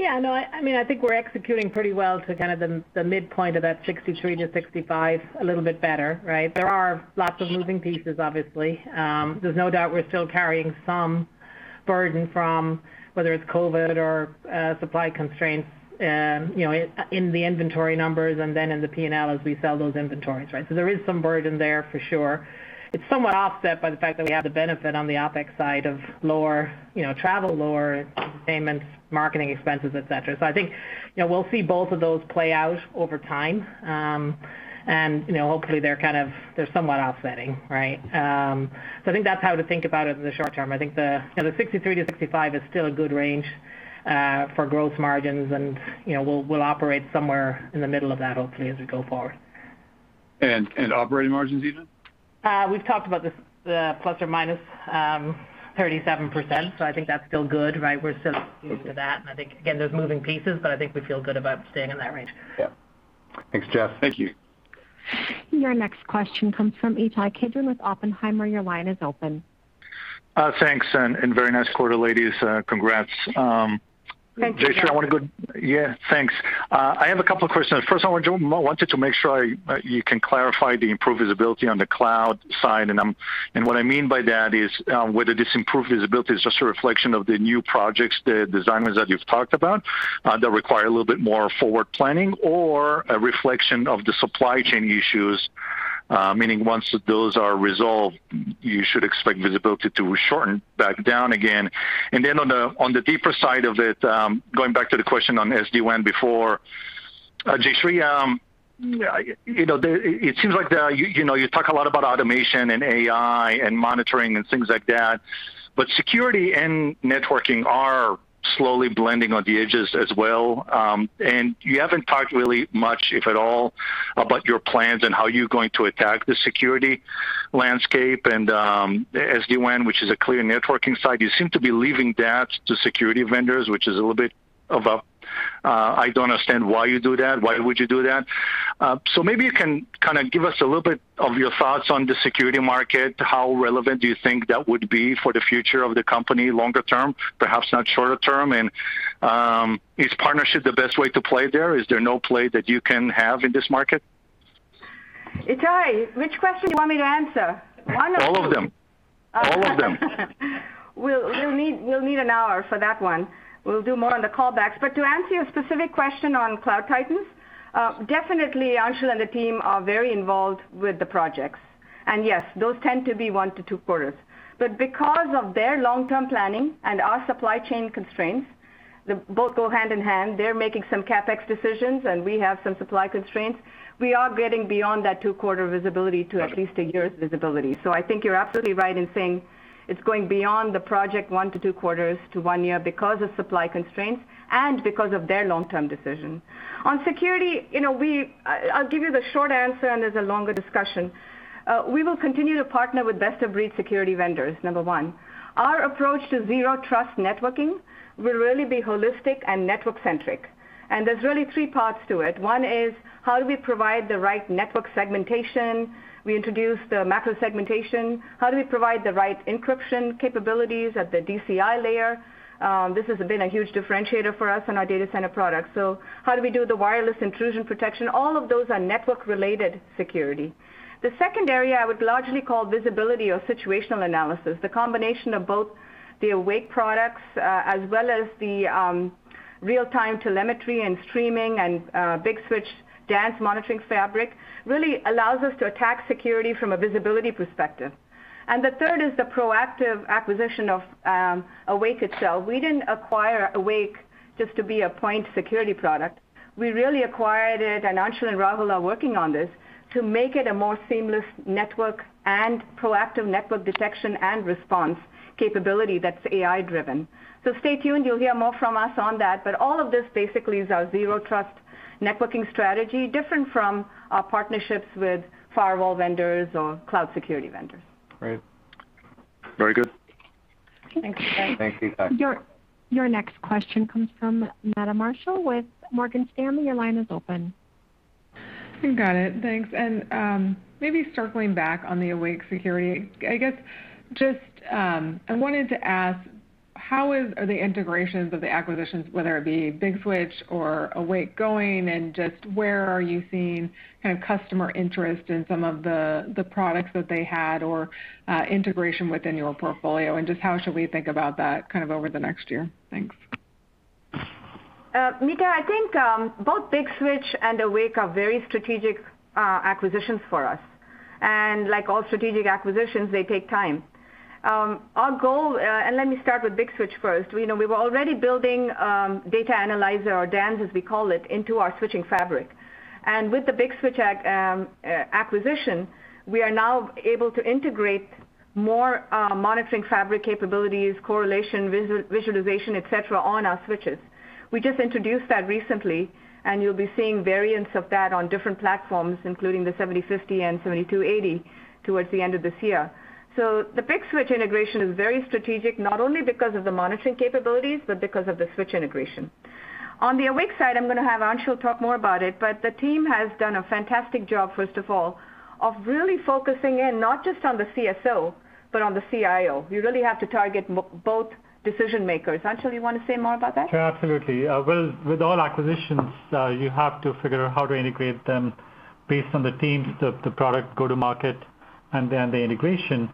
[SPEAKER 5] Yeah. No, I think we're executing pretty well to kind of the midpoint of that 63-65, a little bit better, right? There are lots of moving pieces, obviously. There's no doubt we're still carrying some burden from whether it's COVID or supply constraints in the inventory numbers and then in the P&L as we sell those inventories, right? There is some burden there for sure. It's somewhat offset by the fact that we have the benefit on the OpEx side of lower travel, lower payments, marketing expenses, et cetera. I think we'll see both of those play out over time. Hopefully they're somewhat offsetting, right? I think that's how to think about it in the short term. I think the 63%-65% is still a good range for gross margins, and we'll operate somewhere in the middle of that, hopefully, as we go forward.
[SPEAKER 16] Operating margins, Ita?
[SPEAKER 5] We've talked about this, the ±37%, so I think that's still good, right? We're still committed to that, and I think, again, there's moving pieces, but I think we feel good about staying in that range.
[SPEAKER 16] Yeah.
[SPEAKER 2] Thanks, Jeff.
[SPEAKER 16] Thank you.
[SPEAKER 1] Your next question comes from Ittai Kidron with Oppenheimer. Your line is open.
[SPEAKER 17] Thanks, very nice quarter, ladies. Congrats.
[SPEAKER 3] Thanks, Ittai.
[SPEAKER 17] Jayshree, I want to go Yeah, thanks. I have a couple of questions. First, I wanted to make sure you can clarify the improved visibility on the cloud side, and what I mean by that is whether this improved visibility is just a reflection of the new projects, the designs that you've talked about that require a little bit more forward planning or a reflection of the supply chain issues, meaning once those are resolved, you should expect visibility to shorten back down again. Then on the deeper side of it, going back to the question on SD-WAN before, Jayshree, it seems like you talk a lot about automation and AI and monitoring and things like that, but security and networking are slowly blending on the edges as well. You haven't talked really much, if at all, about your plans and how you're going to attack the security landscape and SD-WAN, which is a clear networking side. You seem to be leaving that to security vendors, which is a little bit of I don't understand why you do that. Why would you do that? Maybe you can give us a little bit of your thoughts on the security market. How relevant do you think that would be for the future of the company longer term, perhaps not shorter term? Is partnership the best way to play there? Is there no play that you can have in this market?
[SPEAKER 3] Ittai, which question do you want me to answer? One or two?
[SPEAKER 17] All of them.
[SPEAKER 3] We'll need an hour for that one. We'll do more on the callbacks. To answer your specific question on Cloud Titans, definitely Anshul and the team are very involved with the projects. Yes, those tend to be one to two quarters. Because of their long-term planning and our supply chain constraints, both go hand in hand. They're making some CapEx decisions, and we have some supply constraints. We are getting beyond that two-quarter visibility to at least a year's visibility. I think you're absolutely right in saying it's going beyond the project one to two quarters to one year because of supply constraints and because of their long-term decision. On security, I'll give you the short answer, and there's a longer discussion. We will continue to partner with best-of-breed security vendors, number one. Our approach to zero trust networking will really be holistic and network-centric, and there's really three parts to it. One is, how do we provide the right network segmentation? We introduced the macro segmentation. How do we provide the right encryption capabilities at the DCI layer? This has been a huge differentiator for us in our data center products. How do we do the wireless intrusion protection? All of those are network-related security. The second area I would largely call visibility or situational analysis, the combination of both the Awake products as well as the real-time telemetry and streaming and Big Switch DANZ Monitoring Fabric really allows us to attack security from a visibility perspective. The third is the proactive acquisition of Awake itself. We didn't acquire Awake just to be a point security product. We really acquired it, and Anshul and Rahul are working on this, to make it a more seamless network and proactive network detection and response capability that's AI-driven. Stay tuned. You'll hear more from us on that. All of this basically is our zero trust networking strategy, different from our partnerships with firewall vendors or cloud security vendors.
[SPEAKER 17] Great. Very good.
[SPEAKER 5] Thanks.
[SPEAKER 2] Thanks.
[SPEAKER 1] Your next question comes from Meta Marshall with Morgan Stanley. Your line is open.
[SPEAKER 18] Got it. Thanks. Maybe circling back on the Awake Security, I wanted to ask, how are the integrations of the acquisitions, whether it be Big Switch or Awake, going, and where are you seeing customer interest in some of the products that they had or integration within your portfolio? Just how should we think about that over the next year? Thanks.
[SPEAKER 3] Meta, I think both Big Switch and Awake are very strategic acquisitions for us. Like all strategic acquisitions, they take time. Let me start with Big Switch first. We were already building Data ANalyZer, or DANZ as we call it, into our switching fabric. With the Big Switch acquisition, we are now able to integrate more monitoring fabric capabilities, correlation, visualization, et cetera, on our switches. We just introduced that recently, and you'll be seeing variants of that on different platforms, including the 7050 and 7280 towards the end of this year. The Big Switch integration is very strategic, not only because of the monitoring capabilities, but because of the switch integration. On the Awake side, I'm going to have Anshul talk more about it, but the team has done a fantastic job, first of all, of really focusing in not just on the CSO, but on the CIO. You really have to target both decision-makers. Anshul, you want to say more about that?
[SPEAKER 4] Sure, absolutely. With all acquisitions, you have to figure out how to integrate them based on the teams, the product go-to-market, and then the integration.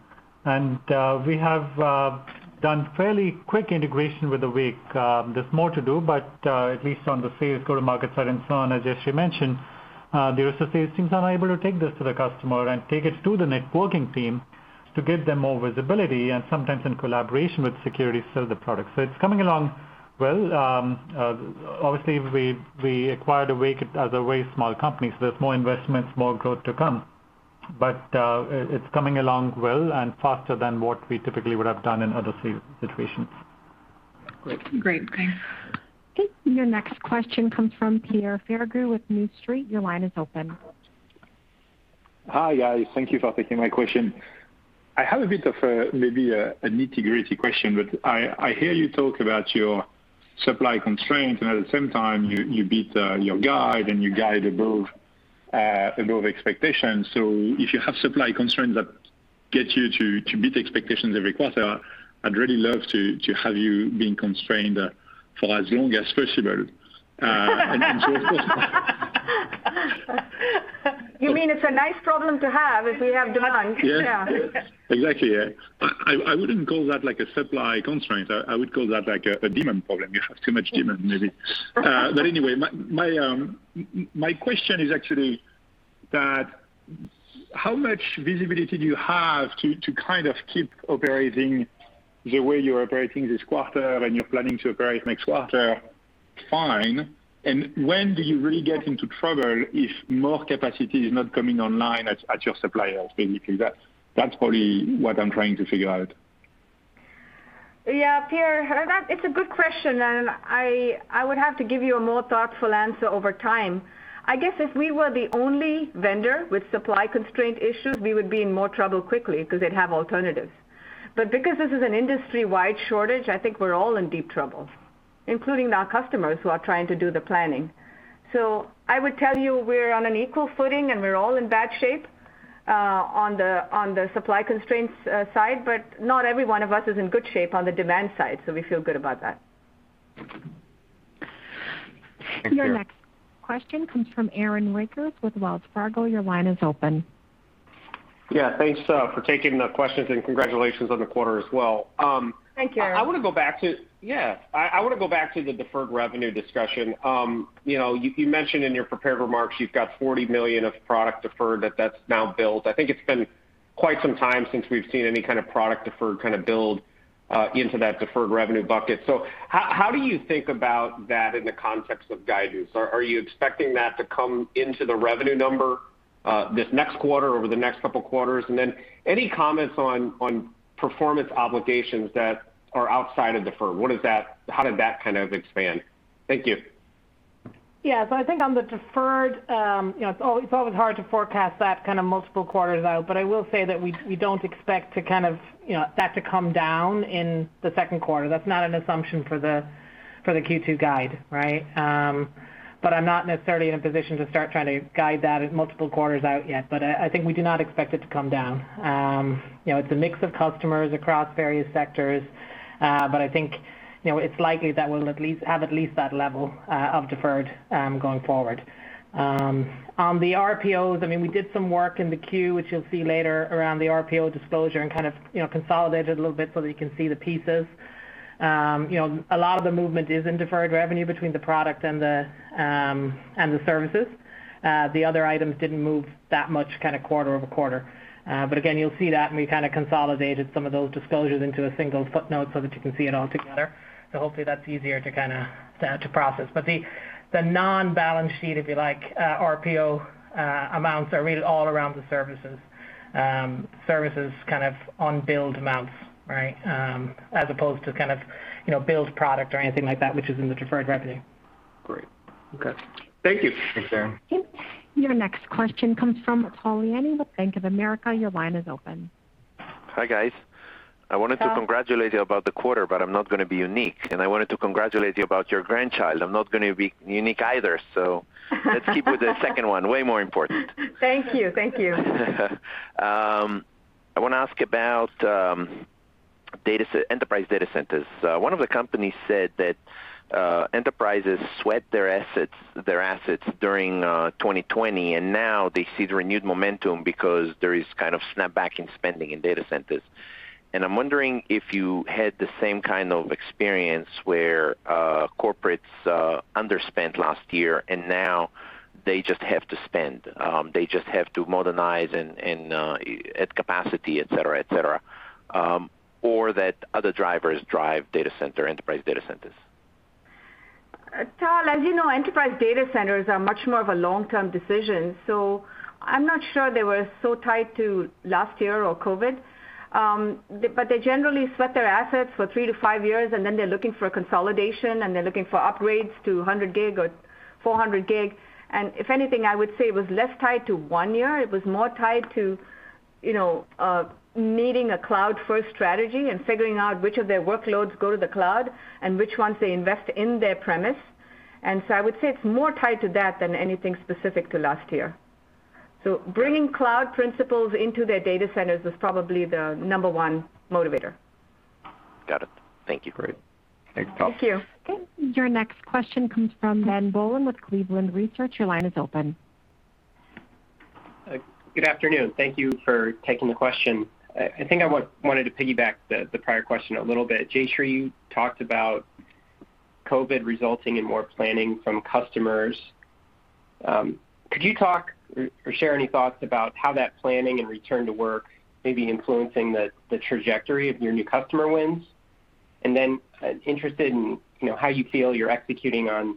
[SPEAKER 4] We have done fairly quick integration with Awake. There's more to do, but at least on the sales go-to-market side and so on, as Jayshree mentioned, the Arista sales teams are able to take this to the customer and take it to the networking team to give them more visibility, and sometimes in collaboration with security, sell the product. It's coming along well. Obviously, we acquired Awake as a very small company, so there's more investments, more growth to come. It's coming along well and faster than what we typically would have done in other sales situations.
[SPEAKER 18] Great. Okay.
[SPEAKER 1] Okay, your next question comes from Pierre Ferragu with New Street. Your line is open.
[SPEAKER 19] Hi, guys. Thank you for taking my question. I have a bit of maybe a nitty-gritty question. I hear you talk about your supply constraints, and at the same time, you beat your guide and you guide above expectations. If you have supply constraints that get you to beat expectations every quarter, I'd really love to have you being constrained for as long as possible.
[SPEAKER 3] You mean it's a nice problem to have if we have demand?
[SPEAKER 19] Yeah.
[SPEAKER 3] Yeah.
[SPEAKER 19] Exactly, yeah. I wouldn't call that a supply constraint. I would call that a demand problem. You have too much demand, maybe. My question is actually that how much visibility do you have to keep operating the way you're operating this quarter and you're planning to operate next quarter fine, and when do you really get into trouble if more capacity is not coming online at your suppliers, basically? That's probably what I'm trying to figure.
[SPEAKER 3] Yeah, Pierre, it's a good question, and I would have to give you a more thoughtful answer over time. I guess if we were the only vendor with supply constraint issues, we would be in more trouble quickly because they'd have alternatives. Because this is an industry-wide shortage, I think we're all in deep trouble, including our customers who are trying to do the planning. I would tell you we're on an equal footing and we're all in bad shape on the supply constraints side, but not every one of us is in good shape on the demand side, so we feel good about that.
[SPEAKER 19] Thank you.
[SPEAKER 1] Your next question comes from Aaron Rakers with Wells Fargo. Your line is open.
[SPEAKER 20] Yeah. Thanks for taking the questions, and congratulations on the quarter as well.
[SPEAKER 3] Thank you.
[SPEAKER 20] I want to go back to the deferred revenue discussion. You mentioned in your prepared remarks you've got $40 million of product deferred that's now billed. I think it's been quite some time since we've seen any kind of product deferred build into that deferred revenue bucket. How do you think about that in the context of guidance? Are you expecting that to come into the revenue number this next quarter, over the next couple quarters? Any comments on performance obligations that are outside of deferred? How did that kind of expand? Thank you.
[SPEAKER 5] Yeah. I think on the deferred, it's always hard to forecast that kind of multiple quarters out, but I will say that we don't expect that to come down in the second quarter. That's not an assumption for the Q2 guide, right? I'm not necessarily in a position to start trying to guide that at multiple quarters out yet. I think we do not expect it to come down. It's a mix of customers across various sectors, but I think it's likely that we'll have at least that level of deferred going forward. On the RPOs, we did some work in the Q, which you'll see later around the RPO disclosure and kind of consolidated a little bit so that you can see the pieces. A lot of the movement is in deferred revenue between the product and the services. The other items didn't move that much quarter-over-quarter. Again, you'll see that, and we consolidated some of those disclosures into a single footnote so that you can see it all together. Hopefully that's easier to process. The non-balance sheet, if you like, RPO amounts are really all around the services unbilled amounts, right? As opposed to billed product or anything like that, which is in the deferred revenue.
[SPEAKER 20] Great. Okay. Thank you.
[SPEAKER 2] Thanks, Aaron.
[SPEAKER 1] Okay. Your next question comes from Tal Liani with Bank of America. Your line is open.
[SPEAKER 21] Hi, guys. I wanted to congratulate you about the quarter, I'm not going to be unique. I wanted to congratulate you about your grandchild. I'm not going to be unique either. Let's keep with the second one. Way more important.
[SPEAKER 3] Thank you.
[SPEAKER 21] I want to ask about enterprise data centers. One of the companies said that enterprises sweat their assets during 2020, now they see the renewed momentum because there is snap back in spending in data centers. I'm wondering if you had the same kind of experience, where corporates underspent last year and now they just have to spend, they just have to modernize and add capacity, et cetera? Or that other drivers drive enterprise data centers.
[SPEAKER 3] Tal, as you know, enterprise data centers are much more of a long-term decision, so I'm not sure they were so tied to last year or COVID. They generally sweat their assets for three to five years, and then they're looking for consolidation, and they're looking for upgrades to 100G or 400G. If anything, I would say it was less tied to one year. It was more tied to needing a cloud first strategy and figuring out which of their workloads go to the cloud and which ones they invest in their premise. I would say it's more tied to that than anything specific to last year. Bringing cloud principles into their data centers was probably the number one motivator.
[SPEAKER 21] Got it. Thank you.
[SPEAKER 2] Great. Thanks, Tal.
[SPEAKER 3] Thank you.
[SPEAKER 1] Okay. Your next question comes from Ben Bollin with Cleveland Research. Your line is open.
[SPEAKER 22] Good afternoon. Thank you for taking the question. I think I wanted to piggyback the prior question a little bit. Jayshree, you talked about COVID resulting in more planning from customers. Could you talk or share any thoughts about how that planning and return to work may be influencing the trajectory of your new customer wins? Interested in how you feel you're executing on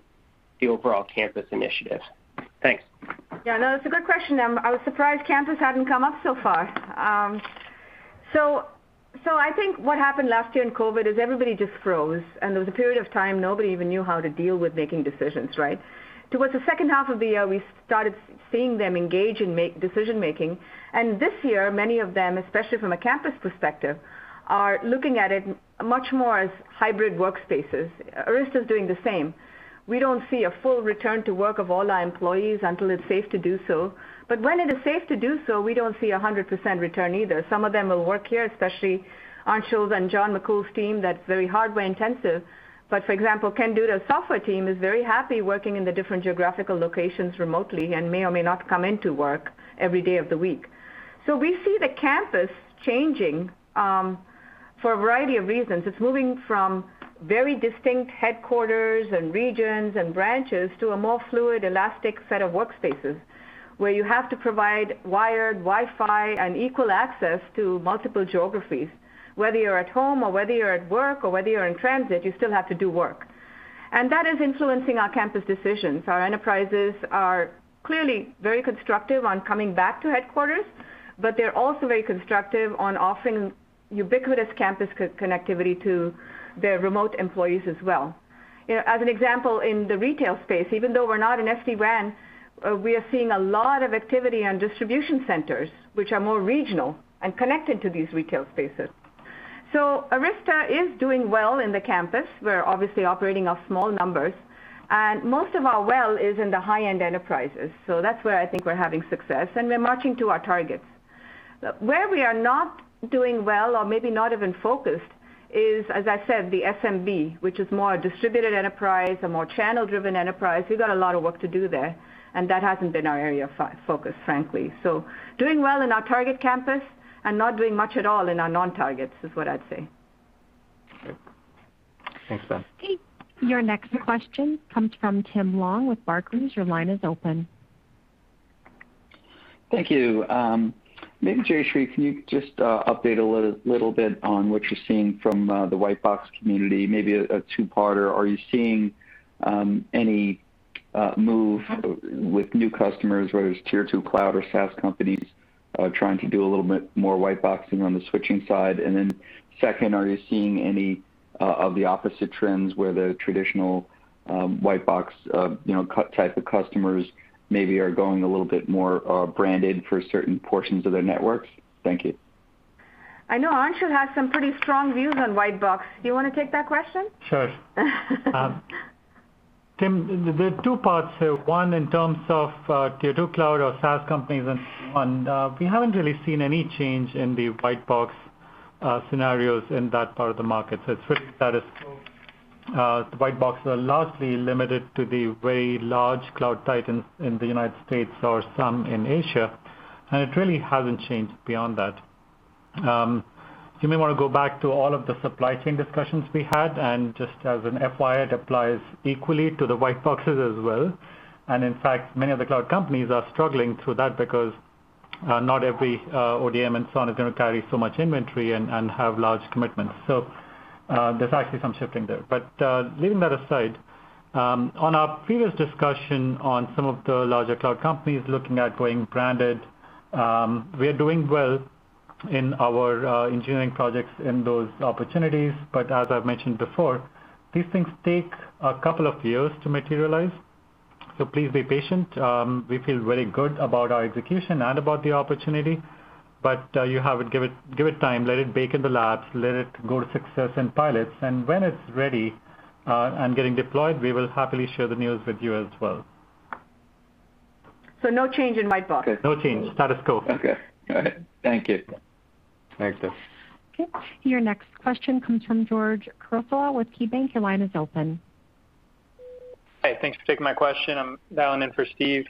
[SPEAKER 22] the overall campus initiative. Thanks.
[SPEAKER 3] Yeah, no, that's a good question. I was surprised campus hadn't come up so far. I think what happened last year in COVID is everybody just froze, and there was a period of time nobody even knew how to deal with making decisions, right? Towards the second half of the year, we started seeing them engage in decision making. This year, many of them, especially from a campus perspective, are looking at it much more as hybrid workspaces. Arista's doing the same. We don't see a full return to work of all our employees until it's safe to do so. When it is safe to do so, we don't see 100% return either. Some of them will work here, especially Anshul's and John McCool's team that's very hardware intensive. For example, Ken Duda's software team is very happy working in the different geographical locations remotely and may or may not come into work every day of the week. We see the campus changing for a variety of reasons. It's moving from very distinct headquarters and regions and branches to a more fluid, elastic set of workspaces, where you have to provide wired Wi-Fi and equal access to multiple geographies. Whether you're at home or whether you're at work or whether you're in transit, you still have to do work. That is influencing our campus decisions. Our enterprises are clearly very constructive on coming back to headquarters, but they're also very constructive on offering ubiquitous campus connectivity to their remote employees as well. As an example, in the retail space, even though we're not an SD-WAN, we are seeing a lot of activity on distribution centers, which are more regional and connected to these retail spaces. Arista is doing well in the campus. We're obviously operating off small numbers, and most of our well is in the high-end enterprises. That's where I think we're having success, and we're marching to our targets. Where we are not doing well or maybe not even focused is, as I said, the SMB, which is more a distributed enterprise, a more channel-driven enterprise. We've got a lot of work to do there, and that hasn't been our area of focus, frankly. Doing well in our target campus and not doing much at all in our non-targets is what I'd say.
[SPEAKER 22] Great.
[SPEAKER 2] Thanks, Ben.
[SPEAKER 1] Okay. Your next question comes from Tim Long with Barclays. Your line is open.
[SPEAKER 23] Thank you. Maybe Jayshree, can you just update a little bit on what you're seeing from the white box community, maybe a two-parter. Are you seeing any move with new customers, whether it's Tier 2 cloud or SaaS companies, trying to do a little bit more white boxing on the switching side? Second, are you seeing any of the opposite trends where the traditional white box type of customers maybe are going a little bit more branded for certain portions of their networks? Thank you.
[SPEAKER 3] I know Anshul has some pretty strong views on white box. Do you want to take that question?
[SPEAKER 4] Sure. Tim, there are two parts here. In terms of Tier 2 cloud or SaaS companies, we haven't really seen any change in the white box scenarios in that part of the market. It's pretty status quo. The white boxes are largely limited to the very large Cloud Titans in the U.S. or some in Asia, it really hasn't changed beyond that. You may want to go back to all of the supply chain discussions we had, just as an FYI, it applies equally to the white boxes as well. In fact, many of the cloud companies are struggling through that because not every ODM and so on is going to carry so much inventory and have large commitments. There's actually some shifting there. Leaving that aside, on our previous discussion on some of the larger cloud companies looking at going branded, we are doing well in our engineering projects in those opportunities. As I've mentioned before, these things take a couple of years to materialize, please be patient. We feel very good about our execution and about the opportunity, you have it, give it time, let it bake in the labs, let it go to success in pilots, when it's ready and getting deployed, we will happily share the news with you as well.
[SPEAKER 3] No change in white box?
[SPEAKER 4] No change. Status quo.
[SPEAKER 23] Okay. Go ahead. Thank you.
[SPEAKER 2] Thanks.
[SPEAKER 1] Okay. Your next question comes from George Kurosawa with KeyBanc. Your line is open.
[SPEAKER 24] Hi, thanks for taking my question. I'm dialing in for Steve.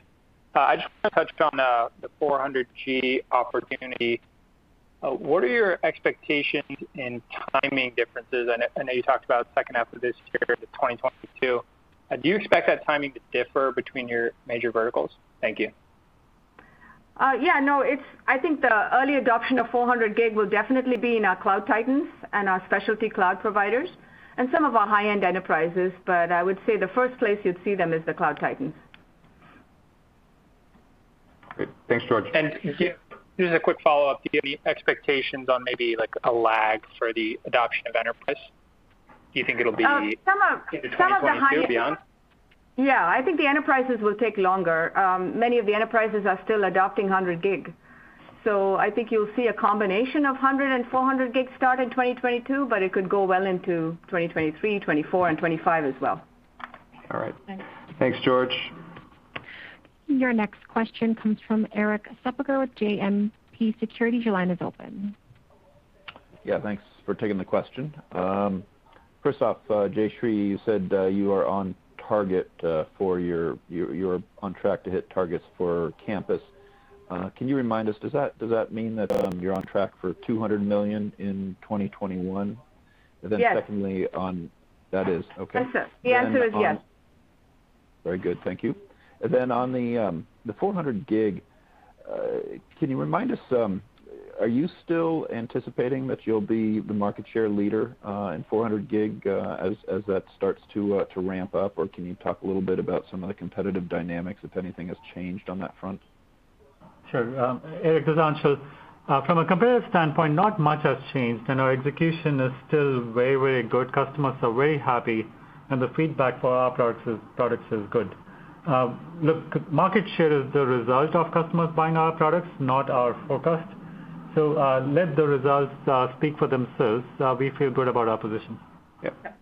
[SPEAKER 24] I just want to touch on the 400G opportunity. What are your expectations in timing differences? I know you talked about second half of this year to 2022. Do you expect that timing to differ between your major verticals? Thank you.
[SPEAKER 3] Yeah, no, I think the early adoption of 400G will definitely be in our Cloud Titans and our Specialty Cloud Providers and some of our high-end enterprises. I would say the first place you'd see them is the Cloud Titans.
[SPEAKER 2] Great. Thanks, George.
[SPEAKER 24] Just a quick follow-up. Do you have any expectations on maybe a lag for the adoption of enterprise? Do you think it'll be?
[SPEAKER 3] Some of the high-
[SPEAKER 24] into 2022 beyond?
[SPEAKER 3] Yeah. I think the enterprises will take longer. Many of the enterprises are still adopting 100G, so I think you'll see a combination of 100G and 400G start in 2022, but it could go well into 2023, 2024, and 2025 as well.
[SPEAKER 24] All right.
[SPEAKER 2] Thanks, George.
[SPEAKER 1] Your next question comes from Erik Suppiger with JMP Securities. Your line is open.
[SPEAKER 25] Yeah, thanks for taking the question. First off, Jayshree, you said you are on track to hit targets for campus. Can you remind us, does that mean that you're on track for $200 million in 2021?
[SPEAKER 3] Yes.
[SPEAKER 25] That is, okay.
[SPEAKER 3] That's it. The answer is yes.
[SPEAKER 25] Very good. Thank you. On the 400G, can you remind us, are you still anticipating that you'll be the market share leader in 400G as that starts to ramp up, or can you talk a little bit about some of the competitive dynamics, if anything has changed on that front?
[SPEAKER 4] Sure. Erik, this is Anshul. From a competitive standpoint, not much has changed, and our execution is still very, very good. Customers are very happy, and the feedback for our products is good. Look, market share is the result of customers buying our products, not our focus. Let the results speak for themselves. We feel good about our position.
[SPEAKER 25] Yep.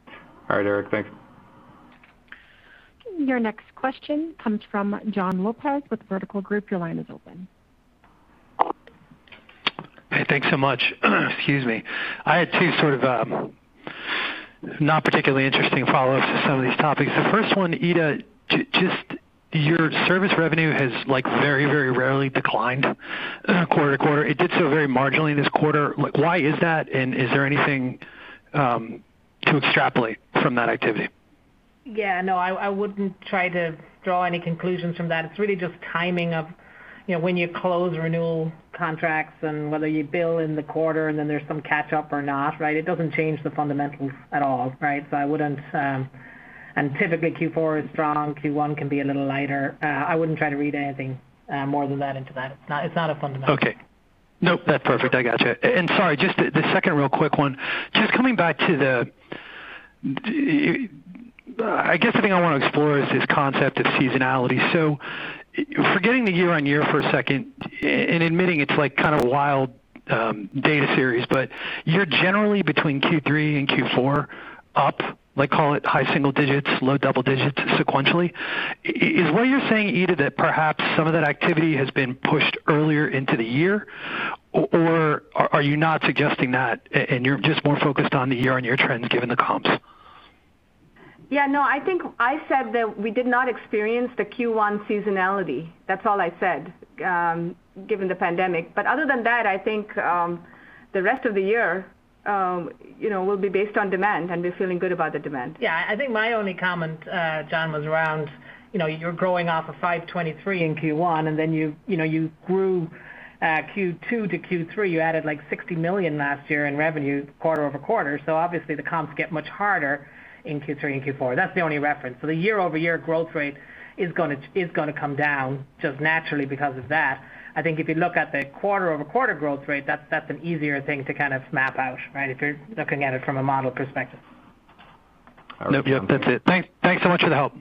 [SPEAKER 2] All right, Erik, thanks.
[SPEAKER 1] Your next question comes from Jon Lopez with Vertical Group. Your line is open.
[SPEAKER 26] Hey, thanks so much. Excuse me. I had two sort of not particularly interesting follow-ups to some of these topics. The first one, Ita, just your service revenue has very, very rarely declined quarter-to-quarter. It did so very marginally this quarter. Why is that, and is there anything to extrapolate from that activity?
[SPEAKER 5] Yeah, no, I wouldn't try to draw any conclusions from that. It's really just timing of when you close renewal contracts and whether you bill in the quarter and then there's some catch up or not, right? It doesn't change the fundamentals at all, right? Typically, Q4 is strong, Q1 can be a little lighter. I wouldn't try to read anything more than that into that. It's not a fundamental.
[SPEAKER 26] Okay. Nope. That's perfect, I got you. Sorry, just the second real quick one. Just coming back to the I guess the thing I want to explore is this concept of seasonality. Forgetting the year-on-year for a second and admitting it's wild data series, but you're generally between Q3 and Q4, up, call it high single digits, low double digits sequentially. Is what you're saying, Ita, that perhaps some of that activity has been pushed earlier into the year, or are you not suggesting that and you're just more focused on the year-on-year trends, given the comps?
[SPEAKER 3] Yeah, no, I think I said that we did not experience the Q1 seasonality. That's all I said. Given the Pandemic. Other than that, I think the rest of the year will be based on demand, and we're feeling good about the demand.
[SPEAKER 5] Yeah, I think my only comment, Jon, was around you're growing off of $523 in Q1, and then you grew Q2 to Q3. You added like $60 million last year in revenue quarter-over-quarter. Obviously the comps get much harder in Q3 and Q4. That's the only reference. The year-over-year growth rate is going to come down just naturally because of that. I think if you look at the quarter-over-quarter growth rate, that's an easier thing to map out, right? If you're looking at it from a model perspective.
[SPEAKER 26] All right. Yep. That's it. Thanks so much for the help.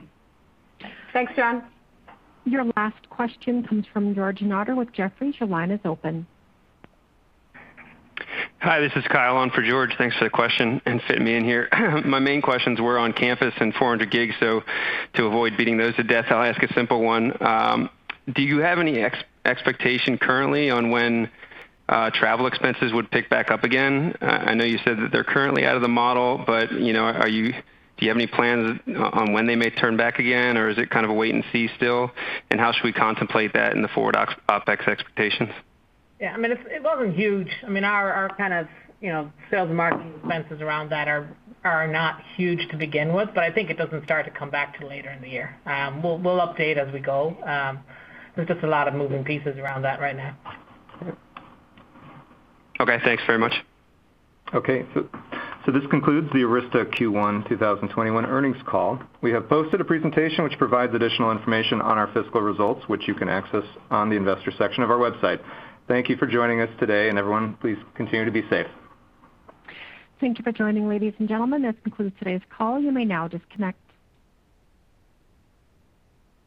[SPEAKER 3] Thanks, Jon.
[SPEAKER 1] Your last question comes from George Notter with Jefferies. Your line is open.
[SPEAKER 27] Hi, this is Kyle on for George. Thanks for the question and fitting me in here. My main questions were on campus and 400G. To avoid beating those to death, I'll ask a simple one. Do you have any expectation currently on when travel expenses would pick back up again? I know you said that they're currently out of the model, but do you have any plans on when they may turn back again, or is it kind of a wait and see still? How should we contemplate that in the forward OpEx expectations?
[SPEAKER 5] Yeah, it wasn't huge. Our kind of sales and marketing expenses around that are not huge to begin with. I think it doesn't start to come back till later in the year. We'll update as we go. There's just a lot of moving pieces around that right now.
[SPEAKER 27] Okay, thanks very much.
[SPEAKER 2] Okay, this concludes the Arista Q1 2021 Earnings Call. We have posted a presentation which provides additional information on our fiscal results, which you can access on the investor section of our website. Thank you for joining us today, and everyone, please continue to be safe.
[SPEAKER 1] Thank you for joining, ladies and gentlemen. This concludes today's call. You may now disconnect.